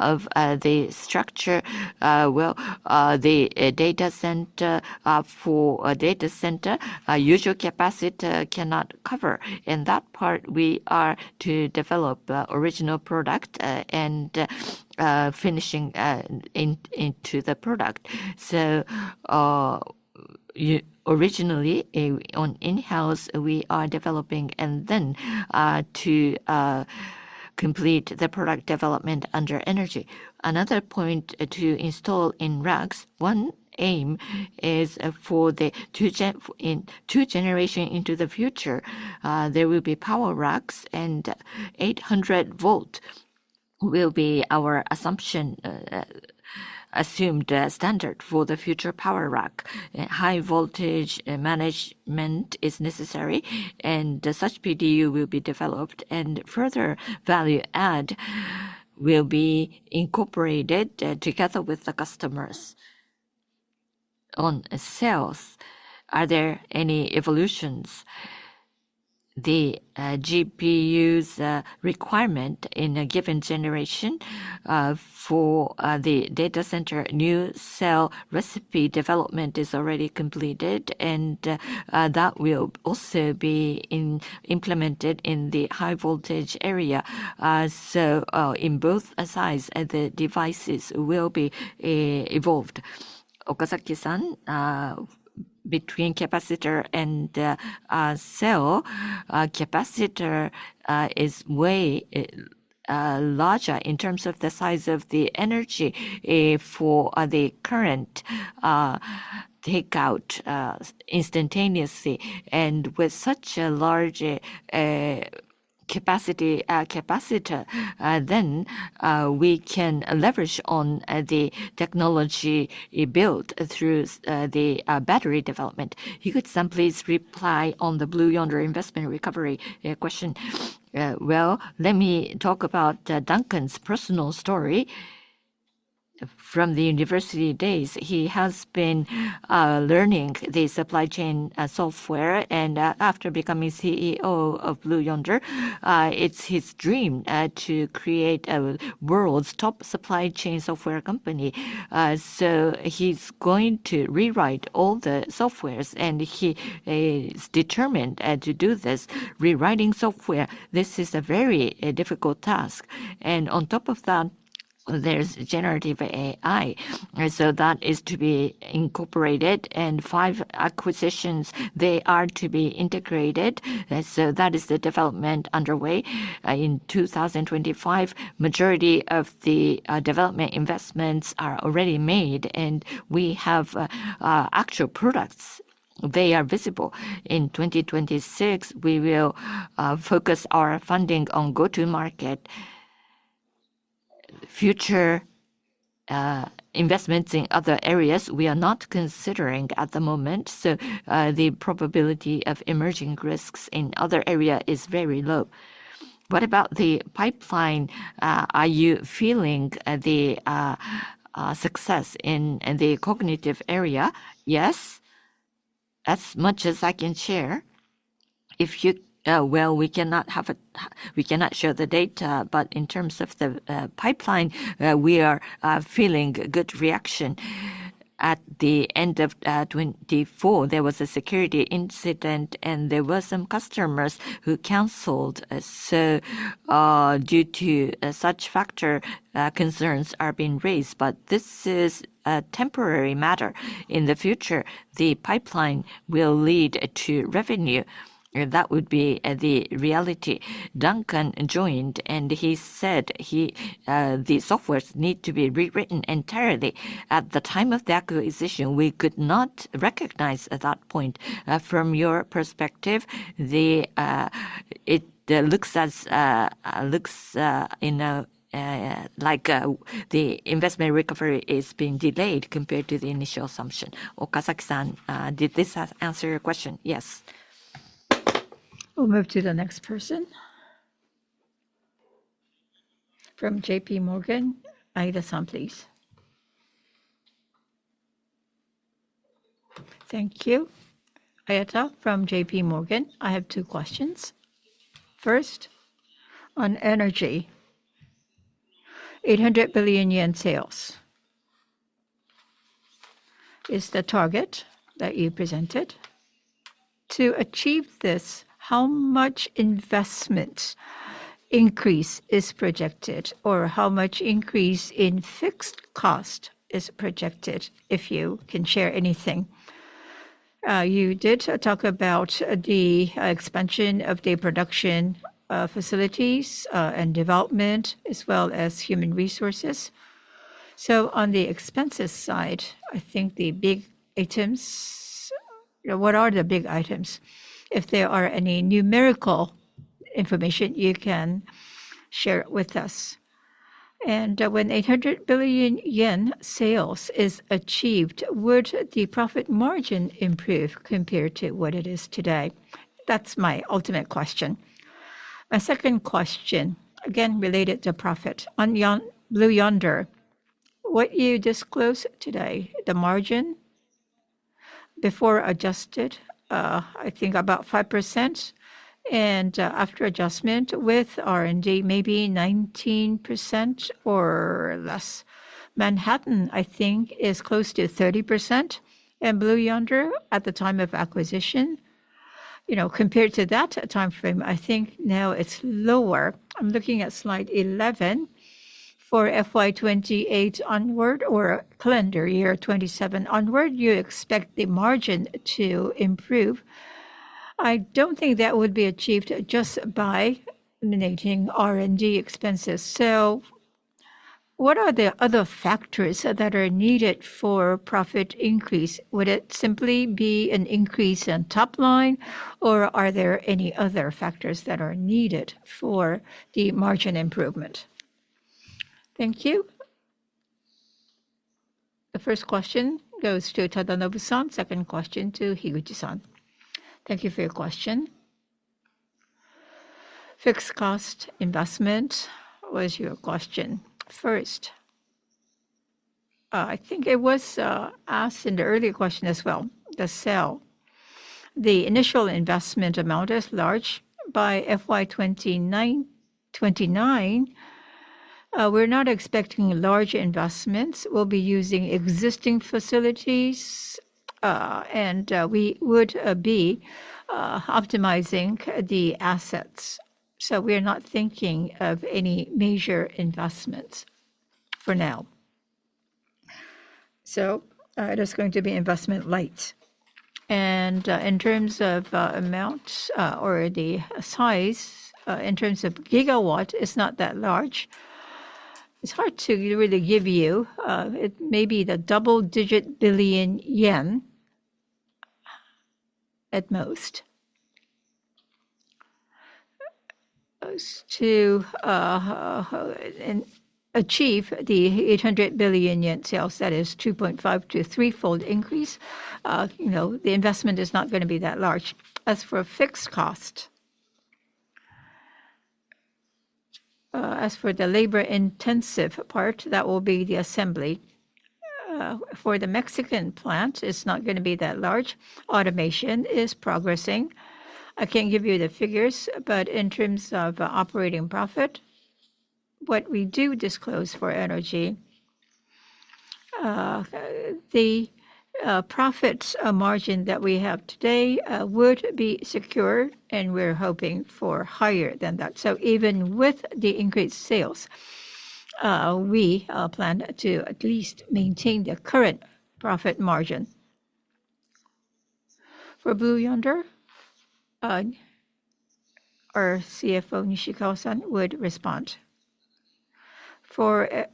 of the structure. The data center for data center, usual capacity cannot cover. In that part, we are to develop original product and finishing into the product. Originally, on in-house, we are developing and then to complete the product development under energy. Another point to install in racks, one aim is for the two generations into the future, there will be power racks and 800 volt will be our assumed standard for the future power rack. High voltage management is necessary, and such PDU will be developed and further value add will be incorporated together with the customers. On cells, are there any evolutions? The GPU's requirement in a given generation for the data center new cell recipe development is already completed, and that will also be implemented in the high voltage area. In both sides, the devices will be evolved. Okazaki-san, between capacitor and cell, capacitor is way larger in terms of the size of the energy for the current takeout instantaneously. With such a large capacity, then we can leverage on the technology built through the battery development. Higuchi-san, please reply on the Blue Yonder investment recovery question. Let me talk about Duncan's personal story from the university days. He has been learning the supply chain software, and after becoming CEO of Blue Yonder, it's his dream to create a world's top supply chain software company. He is going to rewrite all the softwares, and he is determined to do this. Rewriting software, this is a very difficult task. On top of that, there is generative AI. That is to be incorporated, and five acquisitions, they are to be integrated. That is the development underway. In 2025, the majority of the development investments are already made, and we have actual products. They are visible. In 2026, we will focus our funding on go-to-market. Future investments in other areas, we are not considering at the moment. The probability of emerging risks in other areas is very low. What about the pipeline? Are you feeling the success in the cognitive area? Yes, as much as I can share. We cannot show the data, but in terms of the pipeline, we are feeling a good reaction. At the end of 2024, there was a security incident, and there were some customers who canceled. Due to such factors, concerns are being raised, but this is a temporary matter. In the future, the pipeline will lead to revenue. That would be the reality. Duncan joined, and he said the softwares need to be rewritten entirely. At the time of the acquisition, we could not recognize at that point. From your perspective, it looks like the investment recovery is being delayed compared to the initial assumption. Okazaki-san, did this answer your question? Yes. We'll move to the next person. From J.P. Morgan, Aida-san, please. Thank you. Aida from J.P. Morgan. I have two questions. First, on energy, JPY 800 billion sales is the target that you presented. To achieve this, how much investment increase is projected, or how much increase in fixed cost is projected? If you can share anything. You did talk about the expansion of the production facilities and development, as well as human resources. On the expenses side, I think the big items, what are the big items? If there are any numerical information, you can share with us. When 800 billion yen sales is achieved, would the profit margin improve compared to what it is today? That's my ultimate question. My second question, again related to profit. On Blue Yonder, what you disclosed today, the margin before adjusted, I think about 5%, and after adjustment with R&D, maybe 19% or less. Manhattan, I think, is close to 30%. Blue Yonder, at the time of acquisition, compared to that timeframe, I think now it's lower. I'm looking at slide 11 for FY 2028 onward or calendar year 2027 onward. You expect the margin to improve. I don't think that would be achieved just by eliminating R&D expenses. What are the other factors that are needed for profit increase? Would it simply be an increase in top line, or are there any other factors that are needed for the margin improvement? Thank you. The first question goes to Tadanobu-san. Second question to Higuchi-san. Thank you for your question. Fixed cost investment was your question. First, I think it was asked in the earlier question as well, the cell. The initial investment amount is large. By FY 2029, we're not expecting large investments. We'll be using existing facilities, and we would be optimizing the assets. We're not thinking of any major investments for now. It is going to be investment light. In terms of amount or the size, in terms of gigawatt, it's not that large. It's hard to really give you. It may be the double-digit billion JPY at most. To achieve the 800 billion yen sales, that is a 2.5-3-fold increase. The investment is not going to be that large. As for fixed cost, as for the labor-intensive part, that will be the assembly. For the Mexican plant, it's not going to be that large. Automation is progressing. I can't give you the figures, but in terms of operating profit, what we do disclose for energy, the profit margin that we have today would be secure, and we're hoping for higher than that. Even with the increased sales, we plan to at least maintain the current profit margin. For Blue Yonder, our CFO, Nishikawa-san, would respond. For fiscal, or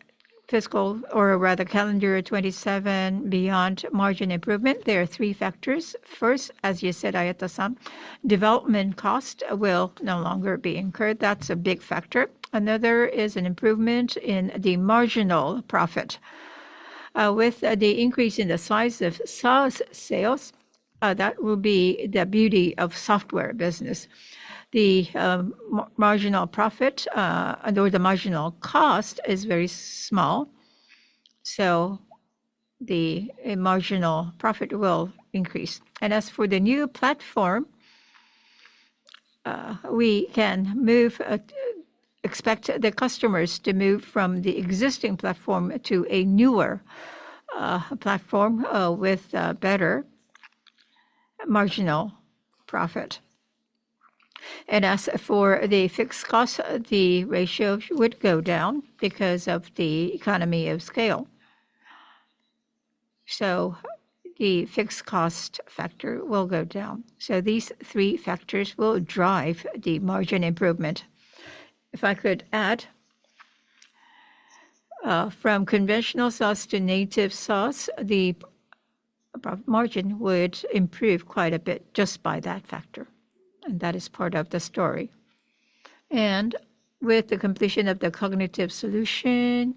rather calendar 2027, beyond margin improvement, there are three factors. First, as you said, Aida-san, development cost will no longer be incurred. That's a big factor. Another is an improvement in the marginal profit. With the increase in the size of SaaS sales, that will be the beauty of software business. The marginal profit or the marginal cost is very small. The marginal profit will increase. As for the new platform, we can expect the customers to move from the existing platform to a newer platform with better marginal profit. As for the fixed cost, the ratio would go down because of the economy of scale. The fixed cost factor will go down. These three factors will drive the margin improvement. If I could add, from conventional SaaS to native SaaS, the margin would improve quite a bit just by that factor. That is part of the story. With the completion of the cognitive solution,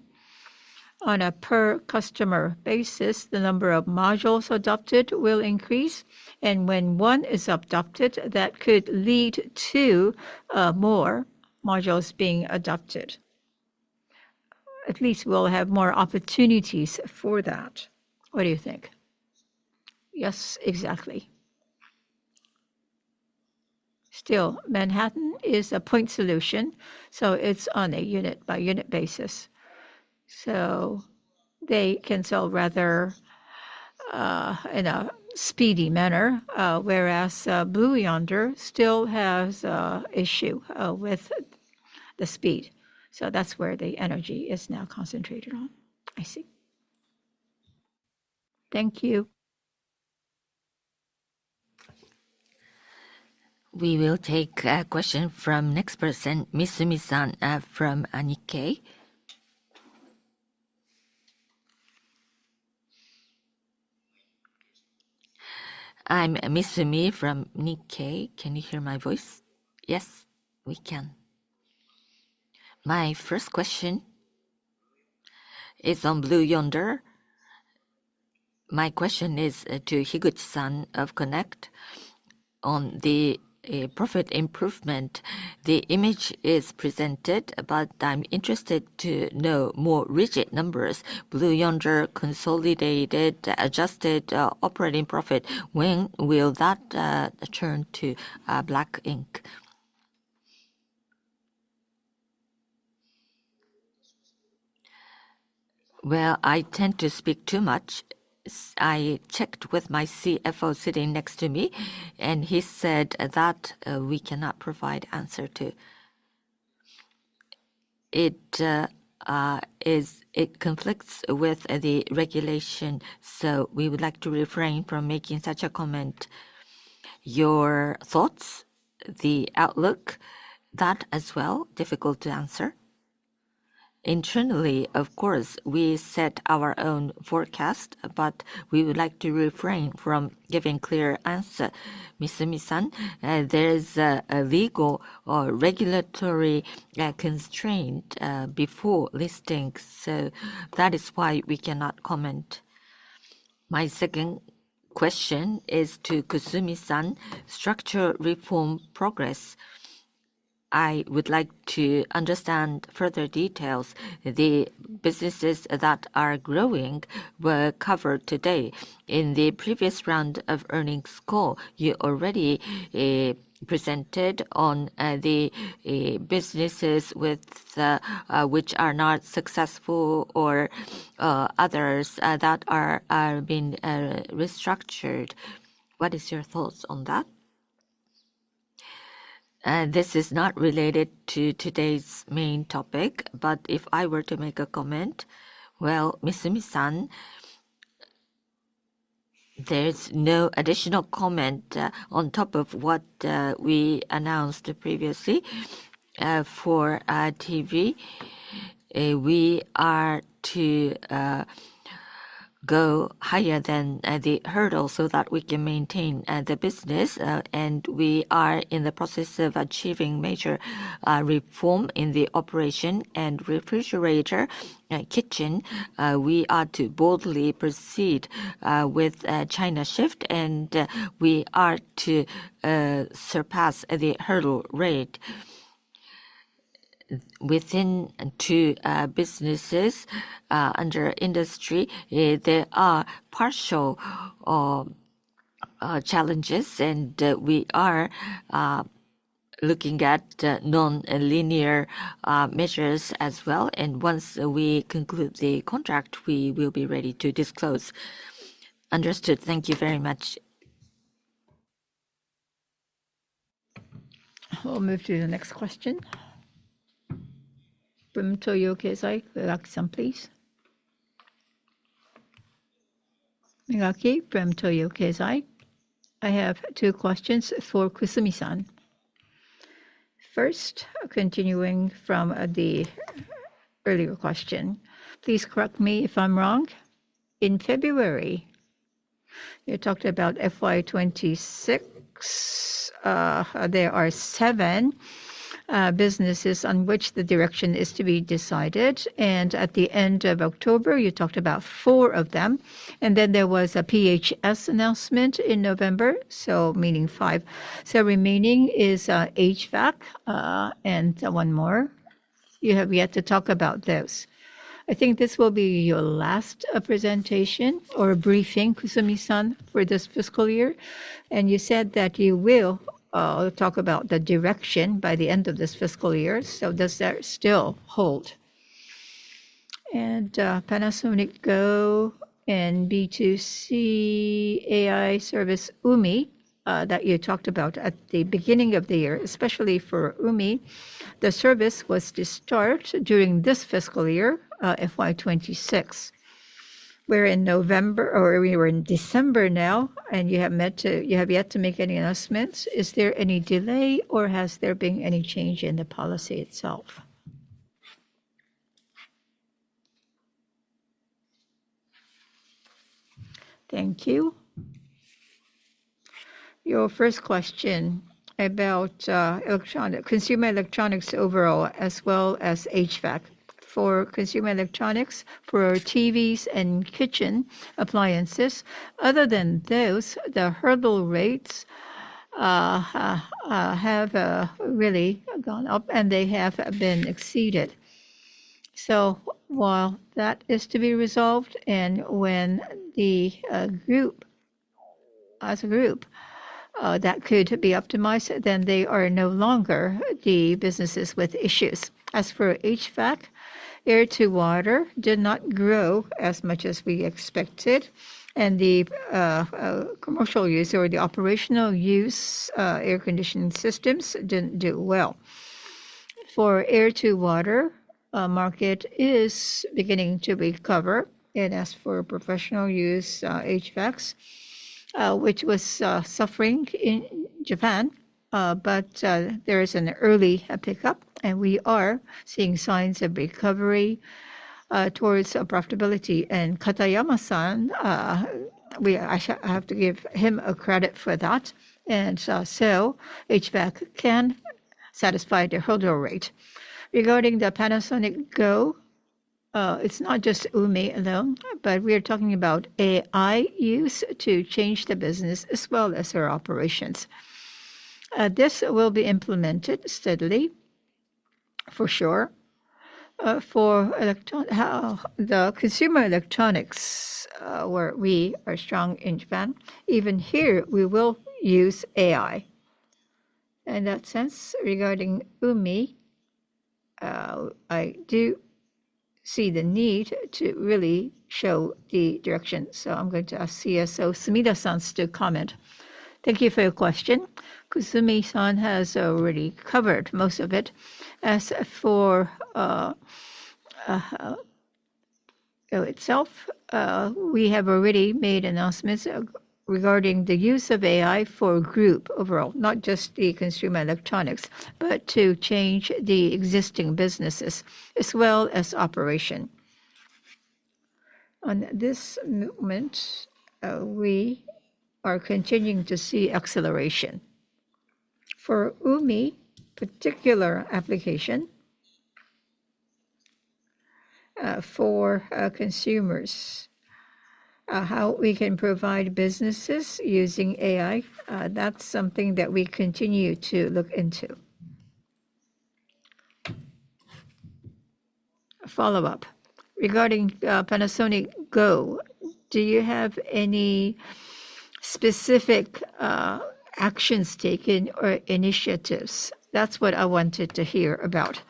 on a per-customer basis, the number of modules adopted will increase. When one is adopted, that could lead to more modules being adopted. At least we will have more opportunities for that. What do you think? Yes, exactly. Still, Manhattan is a point solution, so it is on a unit-by-unit basis. They can sell rather in a speedy manner, whereas Blue Yonder still has an issue with the speed. That is where the energy is now concentrated on. I see. Thank you. We will take a question from next person, Mitsumi-san from Nikkei. I am Mitsumi from Nikkei. Can you hear my voice? Yes, we can. My first question is on Blue Yonder. My question is to Higuchi-san of Connect. On the profit improvement, the image is presented, but I'm interested to know more rigid numbers. Blue Yonder consolidated adjusted operating profit. When will that turn to black ink? I tend to speak too much. I checked with my CFO sitting next to me, and he said that we cannot provide an answer to. It conflicts with the regulation, so we would like to refrain from making such a comment. Your thoughts, the outlook, that as well, difficult to answer. Internally, of course, we set our own forecast, but we would like to refrain from giving a clear answer. Mitsumi-san, there is a legal or regulatory constraint before listings, so that is why we cannot comment. My second question is to Kusumi-san, structure reform progress. I would like to understand further details. The businesses that are growing were covered today. In the previous round of earnings call, you already presented on the businesses which are not successful or others that are being restructured. What is your thoughts on that? This is not related to today's main topic, but if I were to make a comment, Mitsumi-san, there's no additional comment on top of what we announced previously for TV. We are to go higher than the hurdle so that we can maintain the business, and we are in the process of achieving major reform in the operation and refrigerator kitchen. We are to boldly proceed with China shift, and we are to surpass the hurdle rate. Within two businesses under industry, there are partial challenges, and we are looking at non-linear measures as well. Once we conclude the contract, we will be ready to disclose. Understood. Thank you very much. We'll move to the next question. From Toyo Keizai, Aida-san, please. Aida Kei, from Toyo Keizai. I have two questions for Kusumi-san. First, continuing from the earlier question. Please correct me if I'm wrong. In February, you talked about FY 2026. There are seven businesses on which the direction is to be decided. At the end of October, you talked about four of them. There was a PHS announcement in November, so meaning five. Remaining is HVAC and one more. You have yet to talk about those. I think this will be your last presentation or briefing, Kusumi-san, for this fiscal year. You said that you will talk about the direction by the end of this fiscal year. Does that still hold? Panasonic Go and B2C AI service Umi that you talked about at the beginning of the year, especially for UMI, the service was to start during this fiscal year, FY 2026. We are in November, or we were in December now, and you have yet to make any announcements. Is there any delay, or has there been any change in the policy itself? Thank you. Your first question about consumer electronics overall, as well as HVAC. For consumer electronics, for TVs and kitchen appliances, other than those, the hurdle rates have really gone up, and they have been exceeded. So while that is to be resolved, and when the group, as a group, that could be optimized, then they are no longer the businesses with issues. As for HVAC, air to water did not grow as much as we expected, and the commercial use or the operational use air conditioning systems did not do well. For air to water, the market is beginning to recover. As for professional use, HVACs, which was suffering in Japan, there is an early pickup, and we are seeing signs of recovery towards profitability. Katayama-san, I have to give him credit for that. HVAC can satisfy the hurdle rate. Regarding the Panasonic Go, it is not just Umi alone, but we are talking about AI use to change the business as well as their operations. This will be implemented steadily, for sure. For the consumer electronics, where we are strong in Japan, even here, we will use AI. In that sense, regarding Umi, I do see the need to really show the direction. I'm going to ask CSO Sumida-san to comment. Thank you for your question. Kusumi-san has already covered most of it. As for Go itself, we have already made announcements regarding the use of AI for a group overall, not just the consumer electronics, but to change the existing businesses as well as operation. On this movement, we are continuing to see acceleration. For Umi, particular application for consumers, how we can provide businesses using AI, that's something that we continue to look into. Follow-up. Regarding Panasonic Go, do you have any specific actions taken or initiatives? That's what I wanted to hear about.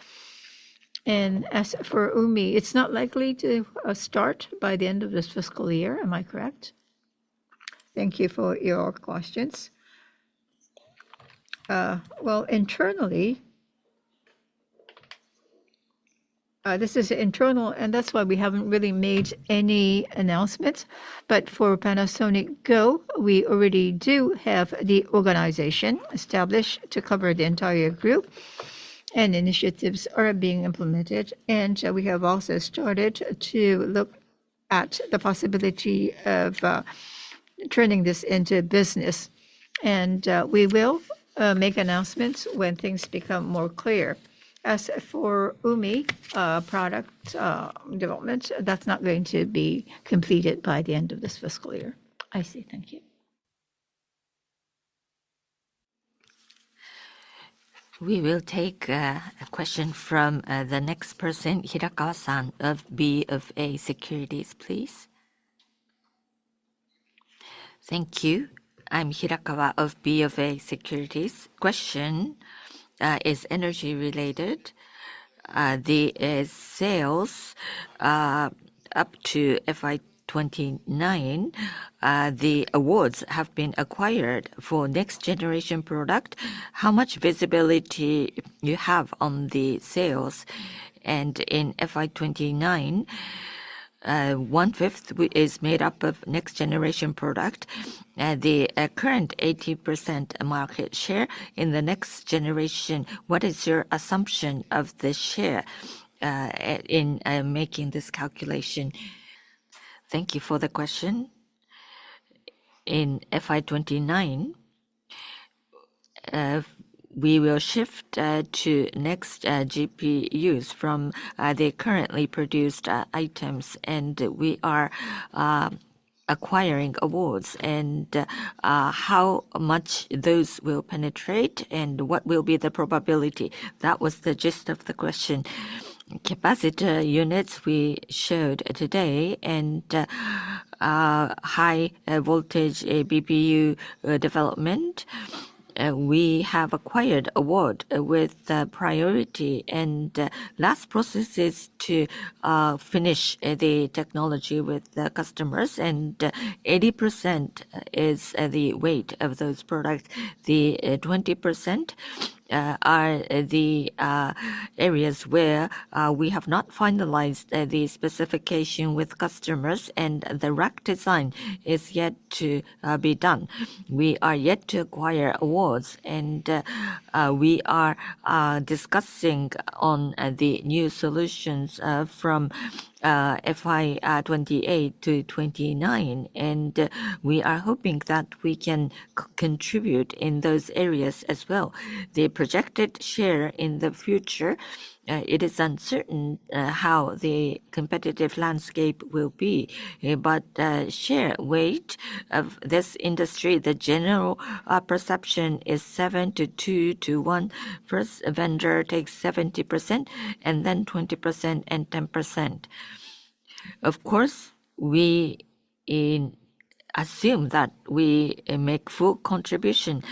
As for Umi, it's not likely to start by the end of this fiscal year. Am I correct? Thank you for your questions. Internally, this is internal, and that's why we haven't really made any announcements. For Panasonic Go, we already do have the organization established to cover the entire group, and initiatives are being implemented. We have also started to look at the possibility of turning this into business. We will make announcements when things become more clear. As for Umi product development, that's not going to be completed by the end of this fiscal year. I see. Thank you. We will take a question from the next person, Hirakawa-san, of BofA Securities, please. Thank you. I'm Hirakawa of BofA Securities. Question is energy-related. The sales up to FY 2029, the awards have been acquired for next-generation product. How much visibility do you have on the sales? In FY 2029, one-fifth is made up of next-generation product. The current 80% market share in the next generation, what is your assumption of the share in making this calculation? Thank you for the question. In FY 2029, we will shift to next GPUs from the currently produced items, and we are acquiring awards. How much those will penetrate and what will be the probability? That was the gist of the question. Capacitor units we showed today and high-voltage BBU development, we have acquired award with priority. The last process is to finish the technology with customers, and 80% is the weight of those products. The 20% are the areas where we have not finalized the specification with customers, and the rack design is yet to be done. We are yet to acquire awards, and we are discussing on the new solutions from FY 2028-FY 2029. We are hoping that we can contribute in those areas as well. The projected share in the future, it is uncertain how the competitive landscape will be, but share weight of this industry, the general perception is seven to two to one. First vendor takes 70%, and then 20% and 10%. Of course, we assume that we make full contribution,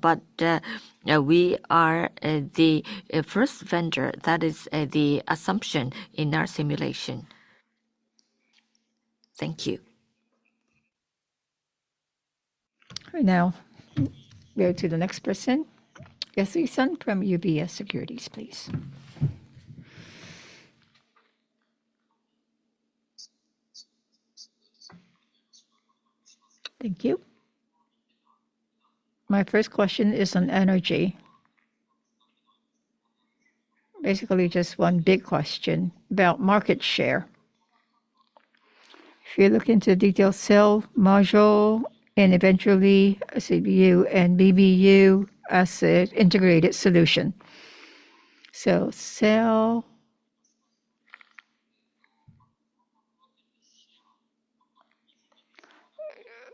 but we are the first vendor. That is the assumption in our simulation. Thank you. All right, now we'll go to the next person. Yasui-san from UBS Securities, please. Thank you. My first question is on energy. Basically, just one big question about market share. If you look into detail, cell module and eventually CBU and BBU as an integrated solution. So cell.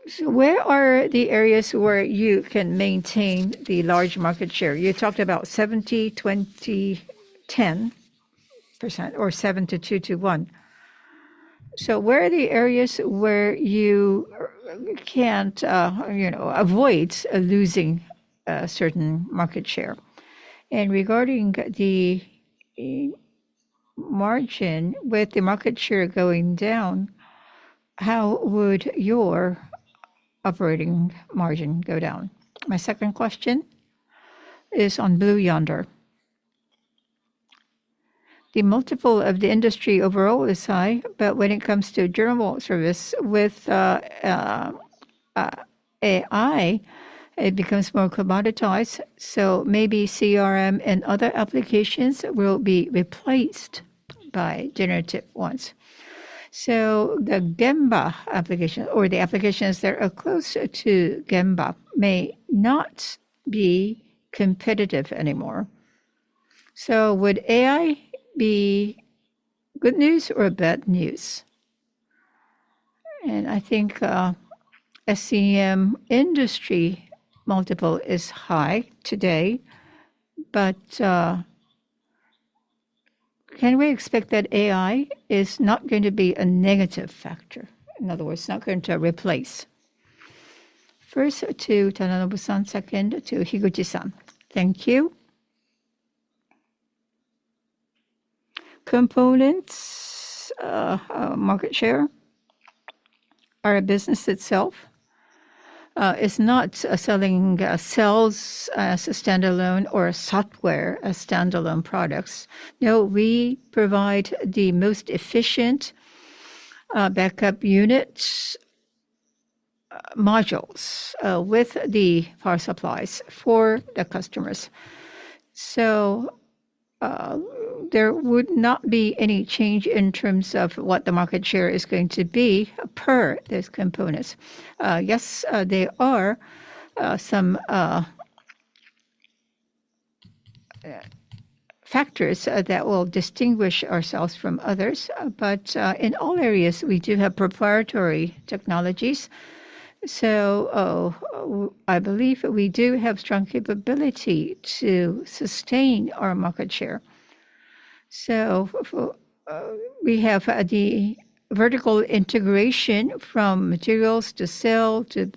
So where are the areas where you can maintain the large market share? You talked about 70%, 20%, 10% or seven to two to one. Where are the areas where you can't avoid losing certain market share? Regarding the margin, with the market share going down, how would your operating margin go down? My second question is on Blue Yonder. The multiple of the industry overall is high, but when it comes to general service, with AI, it becomes more commoditized. Maybe CRM and other applications will be replaced by generative ones. The Gemba application or the applications that are close to Gemba may not be competitive anymore. Would AI be good news or bad news? I think SCM industry multiple is high today, but can we expect that AI is not going to be a negative factor? In other words, not going to replace. First to Tadanobu-san, second to Higuchi-san. Thank you. Components, market share, our business itself is not selling cells as a standalone or software as standalone products. No, we provide the most efficient backup unit modules with the power supplies for the customers. There would not be any change in terms of what the market share is going to be per those components. Yes, there are some factors that will distinguish ourselves from others, but in all areas, we do have proprietary technologies. I believe we do have strong capability to sustain our market share. We have the vertical integration from materials to cell to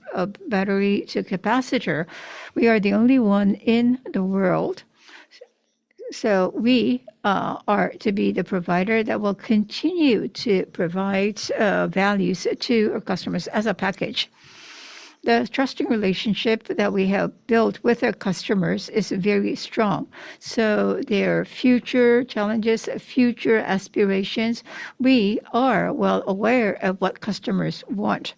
battery to capacitor. We are the only one in the world. We are to be the provider that will continue to provide values to our customers as a package. The trusting relationship that we have built with our customers is very strong. Their future challenges, future aspirations, we are well aware of what customers want.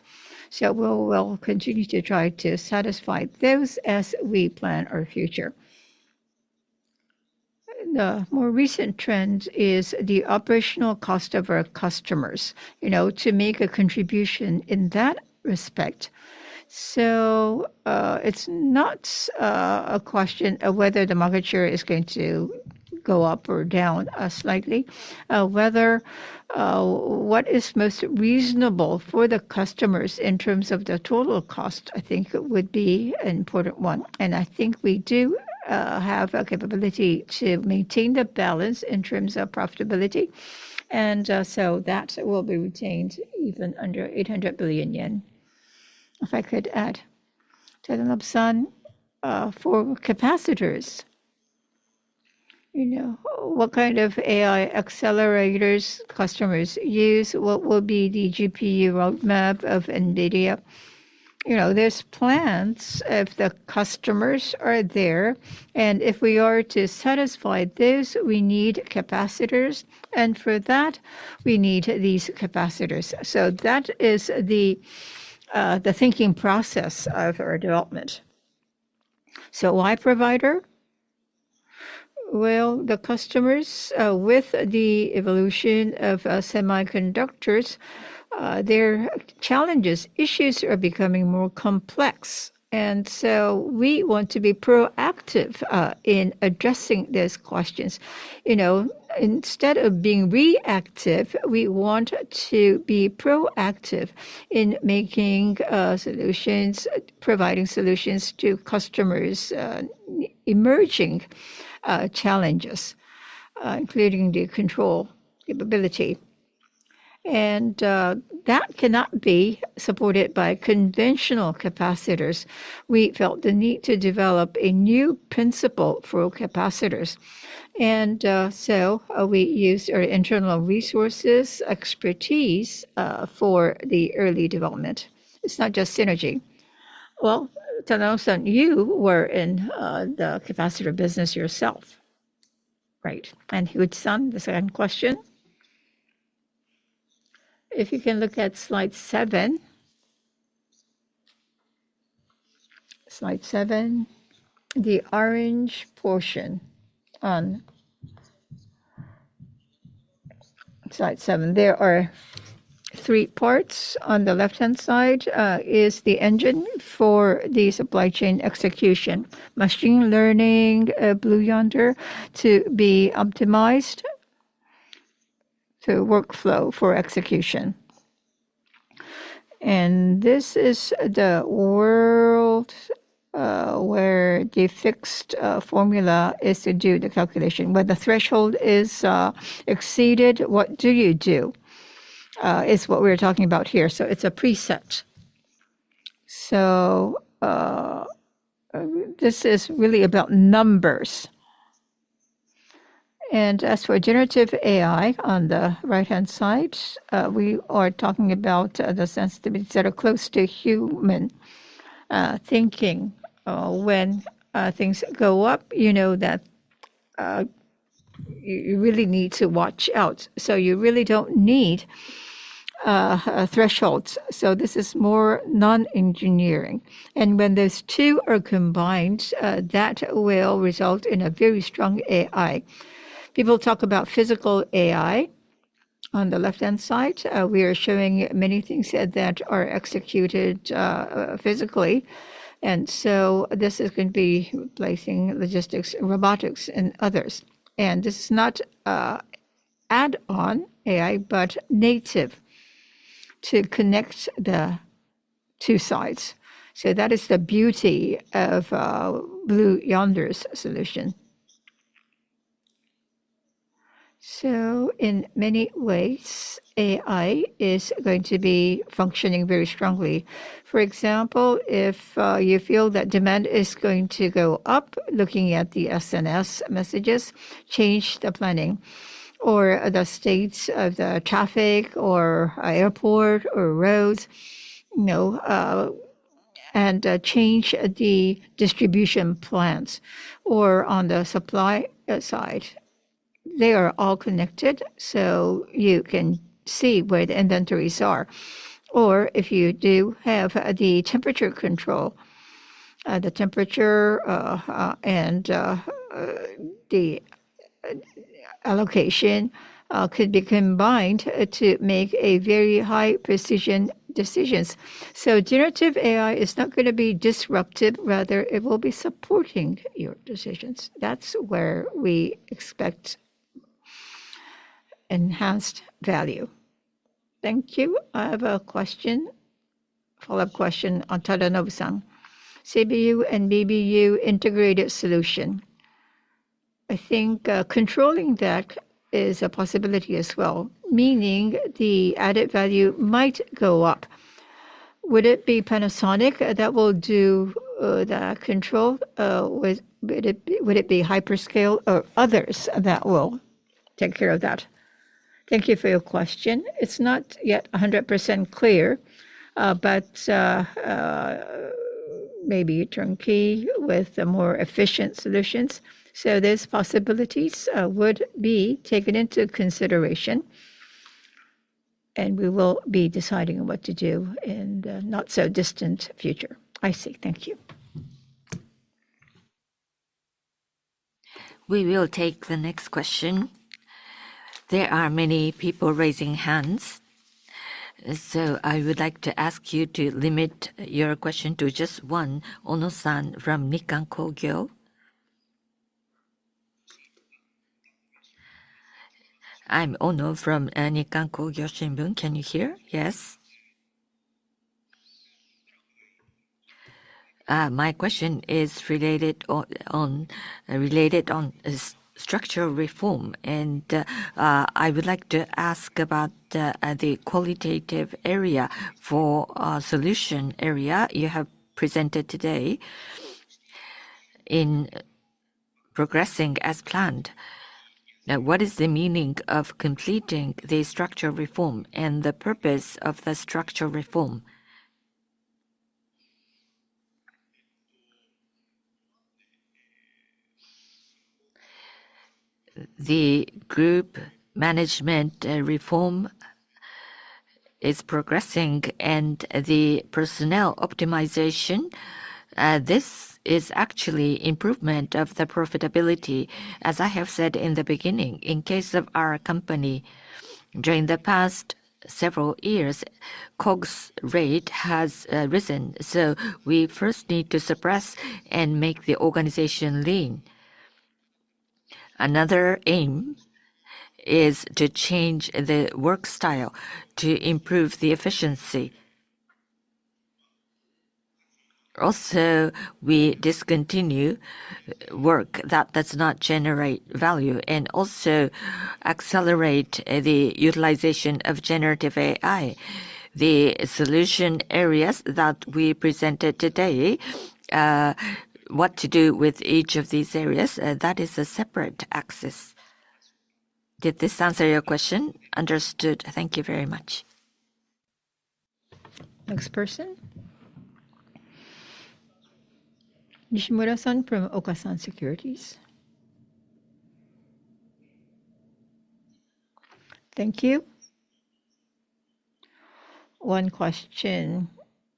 We will continue to try to satisfy those as we plan our future. The more recent trend is the operational cost of our customers to make a contribution in that respect. It is not a question of whether the market share is going to go up or down slightly. What is most reasonable for the customers in terms of the total cost, I think, would be an important one. I think we do have a capability to maintain the balance in terms of profitability. That will be retained even under 800 billion yen. If I could add, Tadanobu-san, for capacitors, what kind of AI accelerators customers use? What will be the GPU roadmap of NVIDIA? There are plans if the customers are there. If we are to satisfy those, we need capacitors. For that, we need these capacitors. That is the thinking process of our development. Why provider? The customers, with the evolution of semiconductors, their challenges, issues are becoming more complex. We want to be proactive in addressing those questions. Instead of being reactive, we want to be proactive in making solutions, providing solutions to customers' emerging challenges, including the control capability. That cannot be supported by conventional capacitors. We felt the need to develop a new principle for capacitors. We used our internal resources expertise for the early development. It's not just synergy. Tadanobu-san, you were in the capacitor business yourself. Right. Higuchi-san, the second question. If you can look at slide seven. Slide seven, the orange portion on slide seven. There are three parts. On the left-hand side is the engine for the supply chain execution. Machine learning, Blue Yonder, to be optimized to workflow for execution. This is the world where the fixed formula is to do the calculation. When the threshold is exceeded, what do you do? Is what we're talking about here. It's a preset. This is really about numbers. As for generative AI, on the right-hand side, we are talking about the sensitivities that are close to human thinking. When things go up, you know that you really need to watch out. You really don't need thresholds. This is more non-engineering. When those two are combined, that will result in a very strong AI. People talk about physical AI. On the left-hand side, we are showing many things that are executed physically. This is going to be replacing logistics, robotics, and others. This is not add-on AI, but native to connect the two sides. That is the beauty of Blue Yonder's solution. In many ways, AI is going to be functioning very strongly. For example, if you feel that demand is going to go up, looking at the SNS messages, change the planning or the states of the traffic or airport or roads, and change the distribution plans or on the supply side, they are all connected. You can see where the inventories are. If you do have the temperature control, the temperature and the allocation could be combined to make very high precision decisions. Generative AI is not going to be disruptive. Rather, it will be supporting your decisions. That's where we expect enhanced value. Thank you. I have a question, follow-up question on Tadanobu-san. CBU and BBU integrated solution. I think controlling that is a possibility as well, meaning the added value might go up. Would it be Panasonic that will do the control? Would it be Hyperscale or others that will take care of that? Thank you for your question. It's not yet 100% clear, but maybe turnkey with more efficient solutions. Those possibilities would be taken into consideration. We will be deciding what to do in the not-so-distant future. I see. Thank you. We will take the next question. There are many people raising hands. I would like to ask you to limit your question to just one. Ono-san from Nikkan Kogyo. I'm Ono from Nikkan Kogyo Shimbun. Can you hear? Yes. My question is related on structural reform. I would like to ask about the qualitative area for solution area you have presented today in progressing as planned. What is the meaning of completing the structural reform and the purpose of the structural reform? The group management reform is progressing and the personnel optimization. This is actually improvement of the profitability, as I have said in the beginning. In case of our company, during the past several years, COGS rate has risen. We first need to suppress and make the organization lean. Another aim is to change the work style to improve the efficiency. Also, we discontinue work that does not generate value and also accelerate the utilization of generative AI. The solution areas that we presented today, what to do with each of these areas, that is a separate axis. Did this answer your question? Understood. Thank you very much. Next person. Nishimura-san from Okasan Securities. Thank you. One question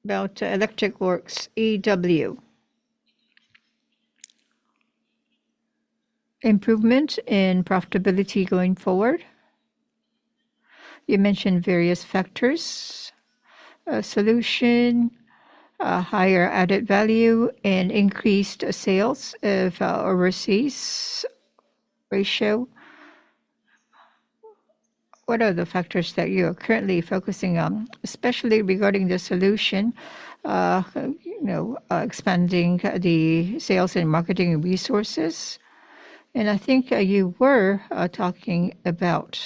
about Electric Works EW. Improvement in profitability going forward? You mentioned various factors. Solution, higher added value, and increased sales of overseas ratio. What are the factors that you are currently focusing on, especially regarding the solution, expanding the sales and marketing resources? I think you were talking about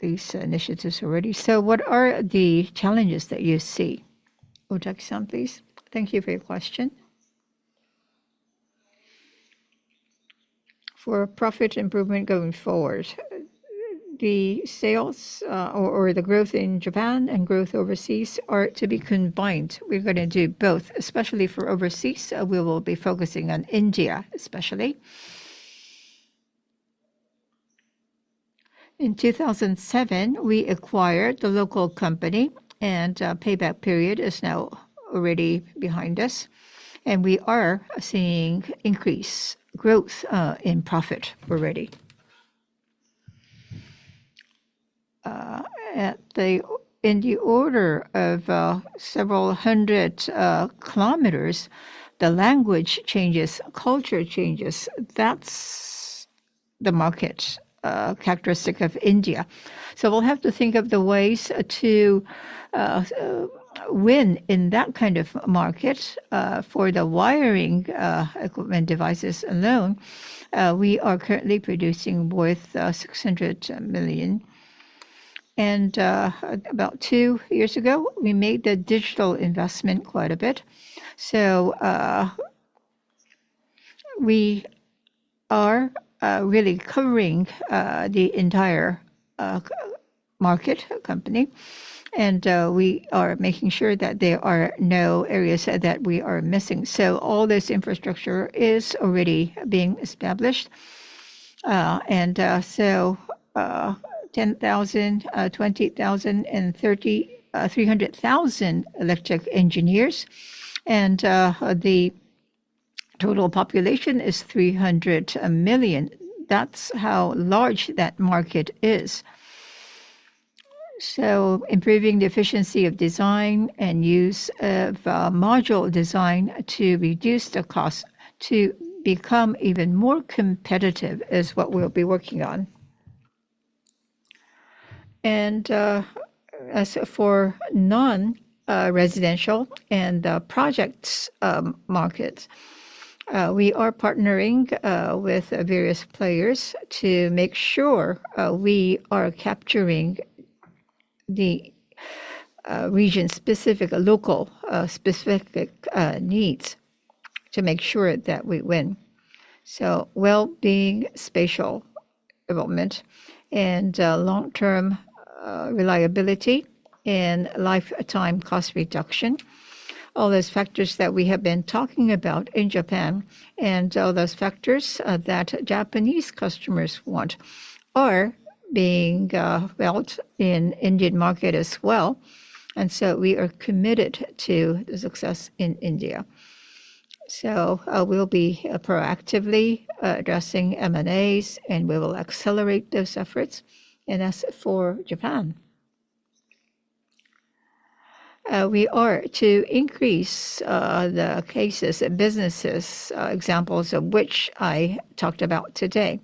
these initiatives already. What are the challenges that you see? Otaki-san, please. Thank you for your question. For profit improvement going forward, the sales or the growth in Japan and growth overseas are to be combined. We're going to do both, especially for overseas. We will be focusing on India, especially. In 2007, we acquired the local company, and payback period is now already behind us. We are seeing increased growth in profit already. In the order of several hundred kilometers, the language changes, culture changes. That's the market characteristic of India. We will have to think of the ways to win in that kind of market. For the wiring equipment devices alone, we are currently producing worth 600 million. About two years ago, we made the digital investment quite a bit. We are really covering the entire market company. We are making sure that there are no areas that we are missing. All this infrastructure is already being established. There are 10,000, 20,000, and 300,000 electric engineers. The total population is 300 million. That is how large that market is. Improving the efficiency of design and use of module design to reduce the cost to become even more competitive is what we will be working on. As for non-residential and projects markets, we are partnering with various players to make sure we are capturing the region-specific, local-specific needs to make sure that we win. Well-being, spatial development, and long-term reliability and lifetime cost reduction, all those factors that we have been talking about in Japan. Those factors that Japanese customers want are being felt in the Indian market as well. We are committed to the success in India. We will be proactively addressing M&As, and we will accelerate those efforts. As for Japan, we are to increase the cases and businesses, examples of which I talked about today.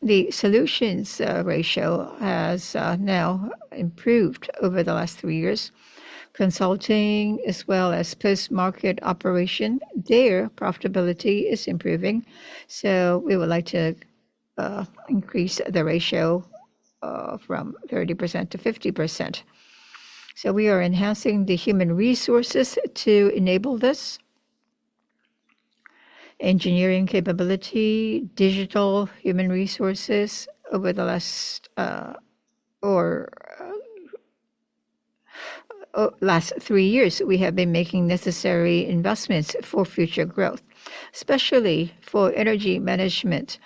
The solutions ratio has now improved over the last three years. Consulting, as well as post-market operation, their profitability is improving. We would like to increase the ratio from 30%-50%. We are enhancing the human resources to enable this. Engineering capability, digital human resources. Over the last three years, we have been making necessary investments for future growth, especially for energy management.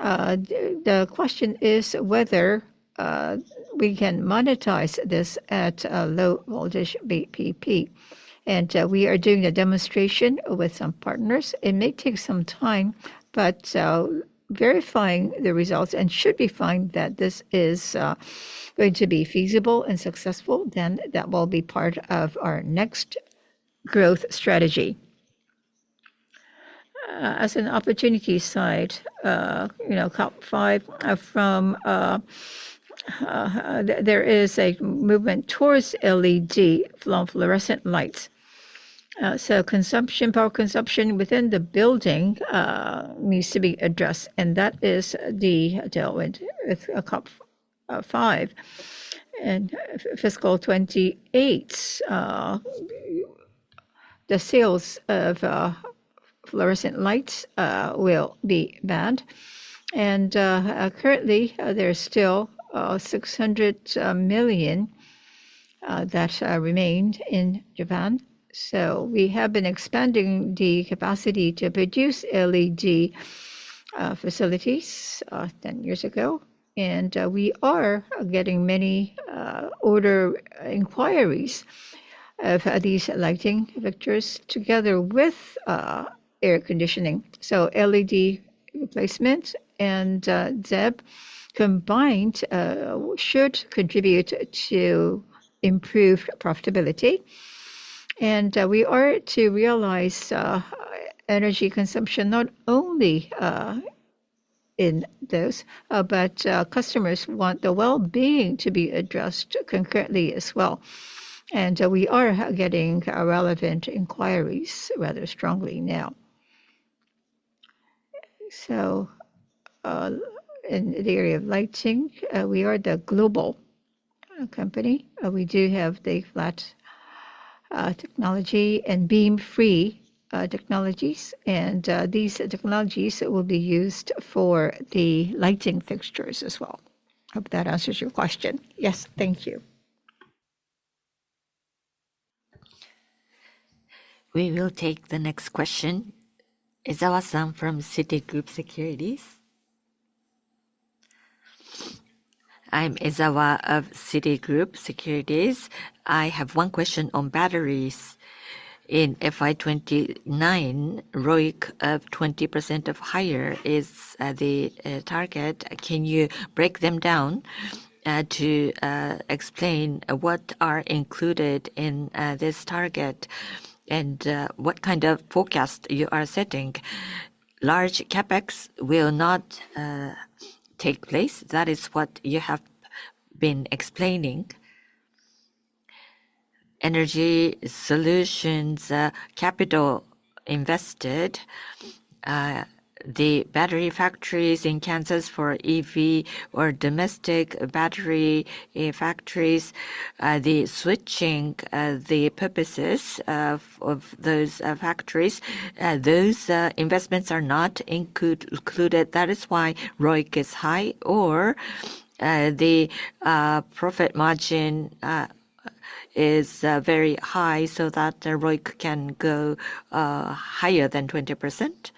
The question is whether we can monetize this at low-voltage BBP. We are doing a demonstration with some partners. It may take some time, but verifying the results should be fine that this is going to be feasible and successful. That will be part of our next growth strategy. As an opportunity side, top five from there is a movement towards LED, long fluorescent lights. Power consumption within the building needs to be addressed. That is the top five. In fiscal 2028, the sales of fluorescent lights will be banned. Currently, there are still 600 million that remain in Japan. We have been expanding the capacity to produce LED facilities 10 years ago. We are getting many order inquiries of these lighting vectors together with air conditioning. LED replacement and ZEB combined should contribute to improved profitability. We are to realize energy consumption not only in those, but customers want the well-being to be addressed concurrently as well. We are getting relevant inquiries rather strongly now. In the area of lighting, we are the global company. We do have the flat technology and beam-free technologies. These technologies will be used for the lighting fixtures as well. Hope that answers your question. Yes, thank you. We will take the next question. Ezawa-san from Citigroup Securities. I'm Ezawa of Citigroup Securities. I have one question on batteries. In fiscal year 2029, ROIC of 20% or higher is the target. Can you break them down to explain what is included in this target and what kind of forecast you are setting? Large CapEx will not take place. That is what you have been explaining. Energy solutions, capital invested, the battery factories in Kansas for EV or domestic battery factories, the switching, the purposes of those factories, those investments are not included. That is why ROIC is high or the profit margin is very high so that ROIC can go higher than 20%.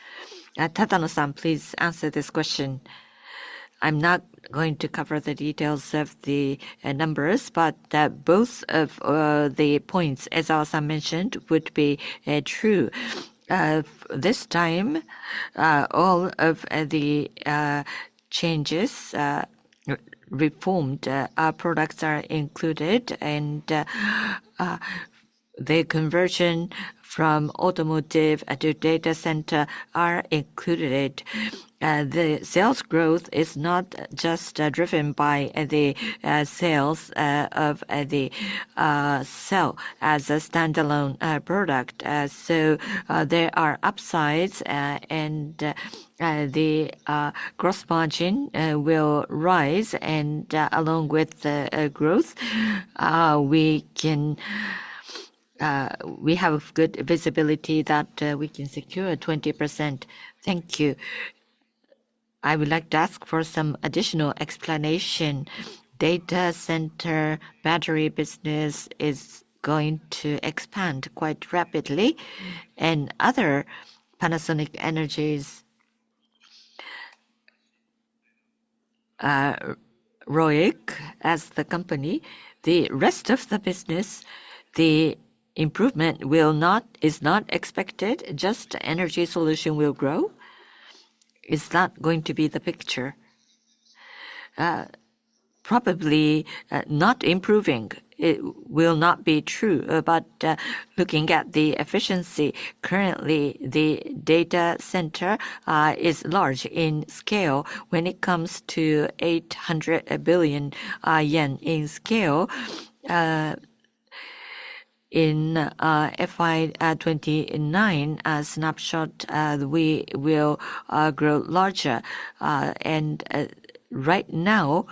Tadanobu-san, please answer this question. I'm not going to cover the details of the numbers, but both of the points, as I also mentioned, would be true. This time, all of the changes reformed products are included, and the conversion from automotive to data center are included. The sales growth is not just driven by the sales of the cell as a standalone product. There are upsides, and the gross margin will rise along with the growth. We have good visibility that we can secure 20%. Thank you. I would like to ask for some additional explanation. Data center battery business is going to expand quite rapidly. And other Panasonic Energy's ROIC as the company, the rest of the business, the improvement is not expected. Just energy solution will grow. It's not going to be the picture. Probably not improving. It will not be true. But looking at the efficiency, currently, the data center is large in scale when it comes to 800 billion yen in scale. In FY 2029, a snapshot, we will grow larger. Right now,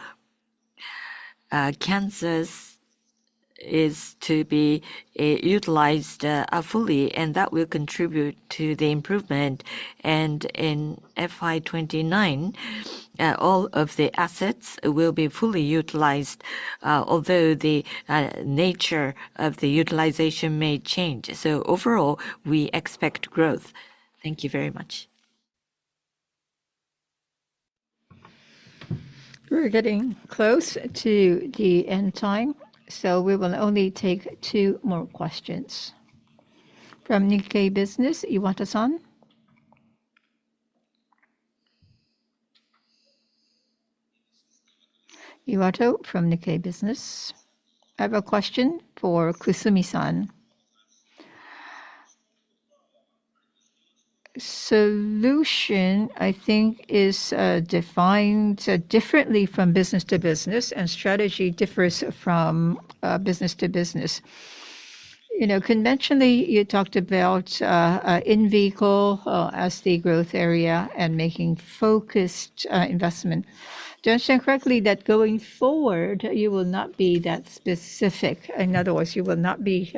Kansas is to be utilized fully, and that will contribute to the improvement. In FY 2029, all of the assets will be fully utilized, although the nature of the utilization may change. Overall, we expect growth. Thank you very much. We're getting close to the end time, so we will only take two more questions. From Nikkei Business, Iwata-san. Iwata from Nikkei Business. I have a question for Kusumi-san. Solution, I think, is defined differently from business to business, and strategy differs from business to business. Conventionally, you talked about in-vehicle as the growth area and making focused investment. Do I understand correctly that going forward, you will not be that specific? In other words, you will not be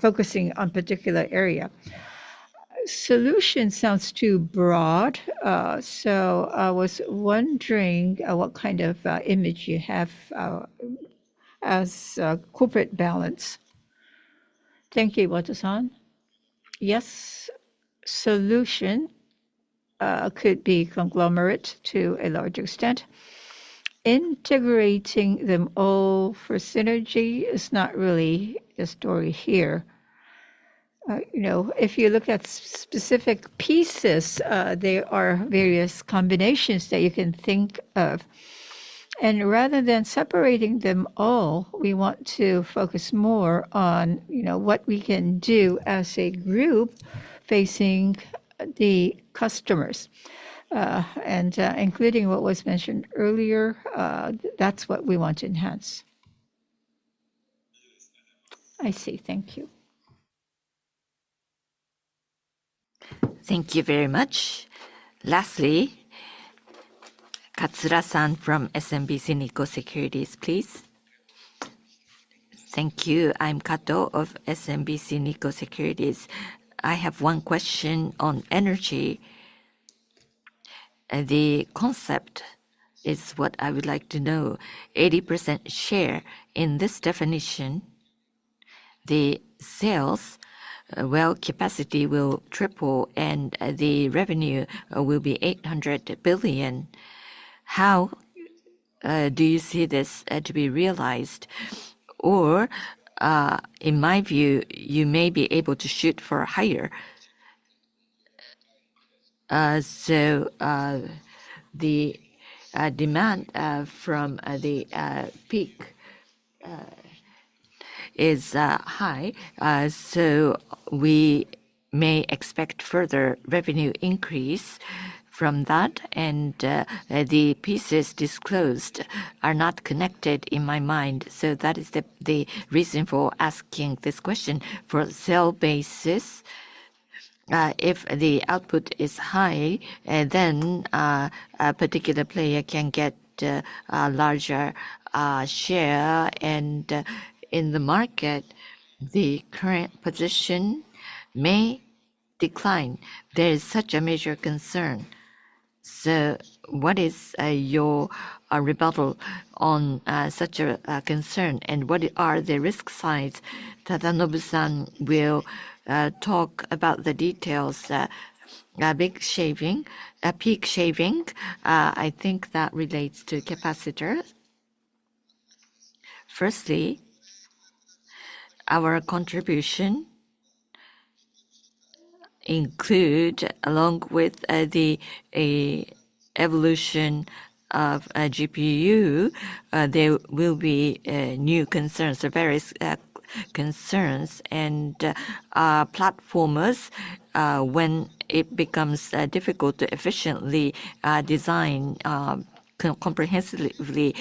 focusing on a particular area. Solution sounds too broad. I was wondering what kind of image you have as corporate balance. Thank you, Iwata-san. Yes, solution could be conglomerate to a large extent. Integrating them all for synergy is not really the story here. If you look at specific pieces, there are various combinations that you can think of. Rather than separating them all, we want to focus more on what we can do as a group facing the customers. Including what was mentioned earlier, that's what we want to enhance. I see. Thank you. Thank you very much. Lastly, Katsura-san from SMBC Nikko Securities, please. Thank you. I'm Katsura of SMBC Nikko Securities. I have one question on energy. The concept is what I would like to know. 80% share in this definition, the sales or capacity will triple and the revenue will be 800 billion. How do you see this to be realized? In my view, you may be able to shoot for higher. The demand from the peak is high. We may expect further revenue increase from that. The pieces disclosed are not connected in my mind. That is the reason for asking this question. For share basis, if the output is high, then a particular player can get a larger share. In the market, the current position may decline. There is such a major concern. What is your rebuttal on such a concern? What are the risk sides? Tadanobu-san will talk about the details. Peak shaving, I think that relates to capacitors. Firstly, our contribution includes, along with the evolution of GPU, there will be new concerns, various concerns. Platformers, when it becomes difficult to efficiently design comprehensively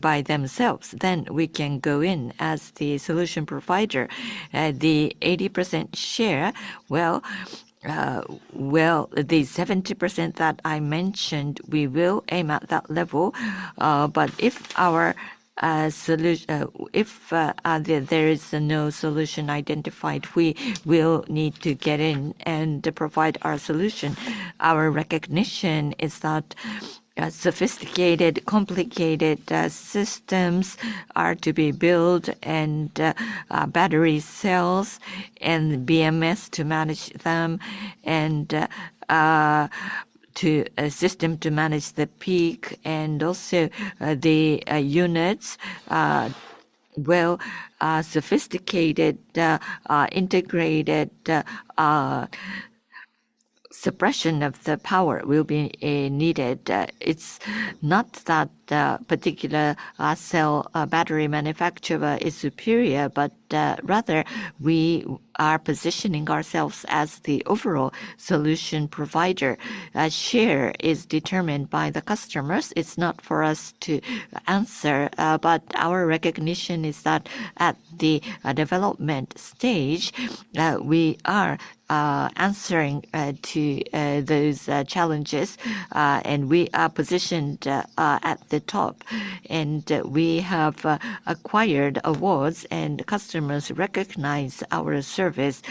by themselves, we can go in as the solution provider. The 80% share, the 70% that I mentioned, we will aim at that level. If there is no solution identified, we will need to get in and provide our solution. Our recognition is that sophisticated, complicated systems are to be built and battery cells and BMS to manage them and a system to manage the peak and also the units. Sophisticated integrated suppression of the power will be needed. It's not that particular cell battery manufacturer is superior, but rather we are positioning ourselves as the overall solution provider. Share is determined by the customers. It's not for us to answer, but our recognition is that at the development stage, we are answering to those challenges, and we are positioned at the top. We have acquired awards, and customers recognize our service.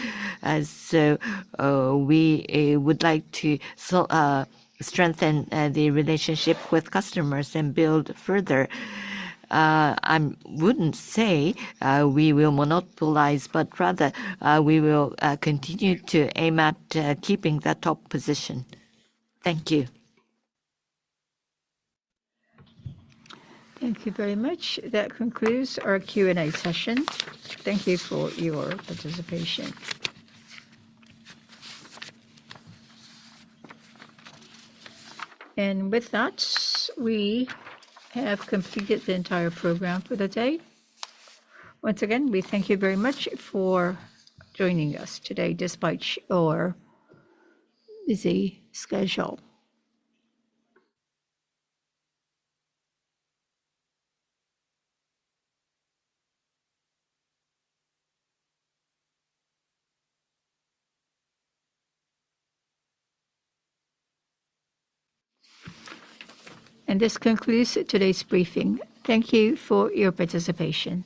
We would like to strengthen the relationship with customers and build further. I wouldn't say we will monopolize, but rather we will continue to aim at keeping that top position. Thank you. Thank you very much. That concludes our Q&A session. Thank you for your participation. With that, we have completed the entire program for the day. Once again, we thank you very much for joining us today despite our busy schedule. This concludes today's briefing. Thank you for your participation.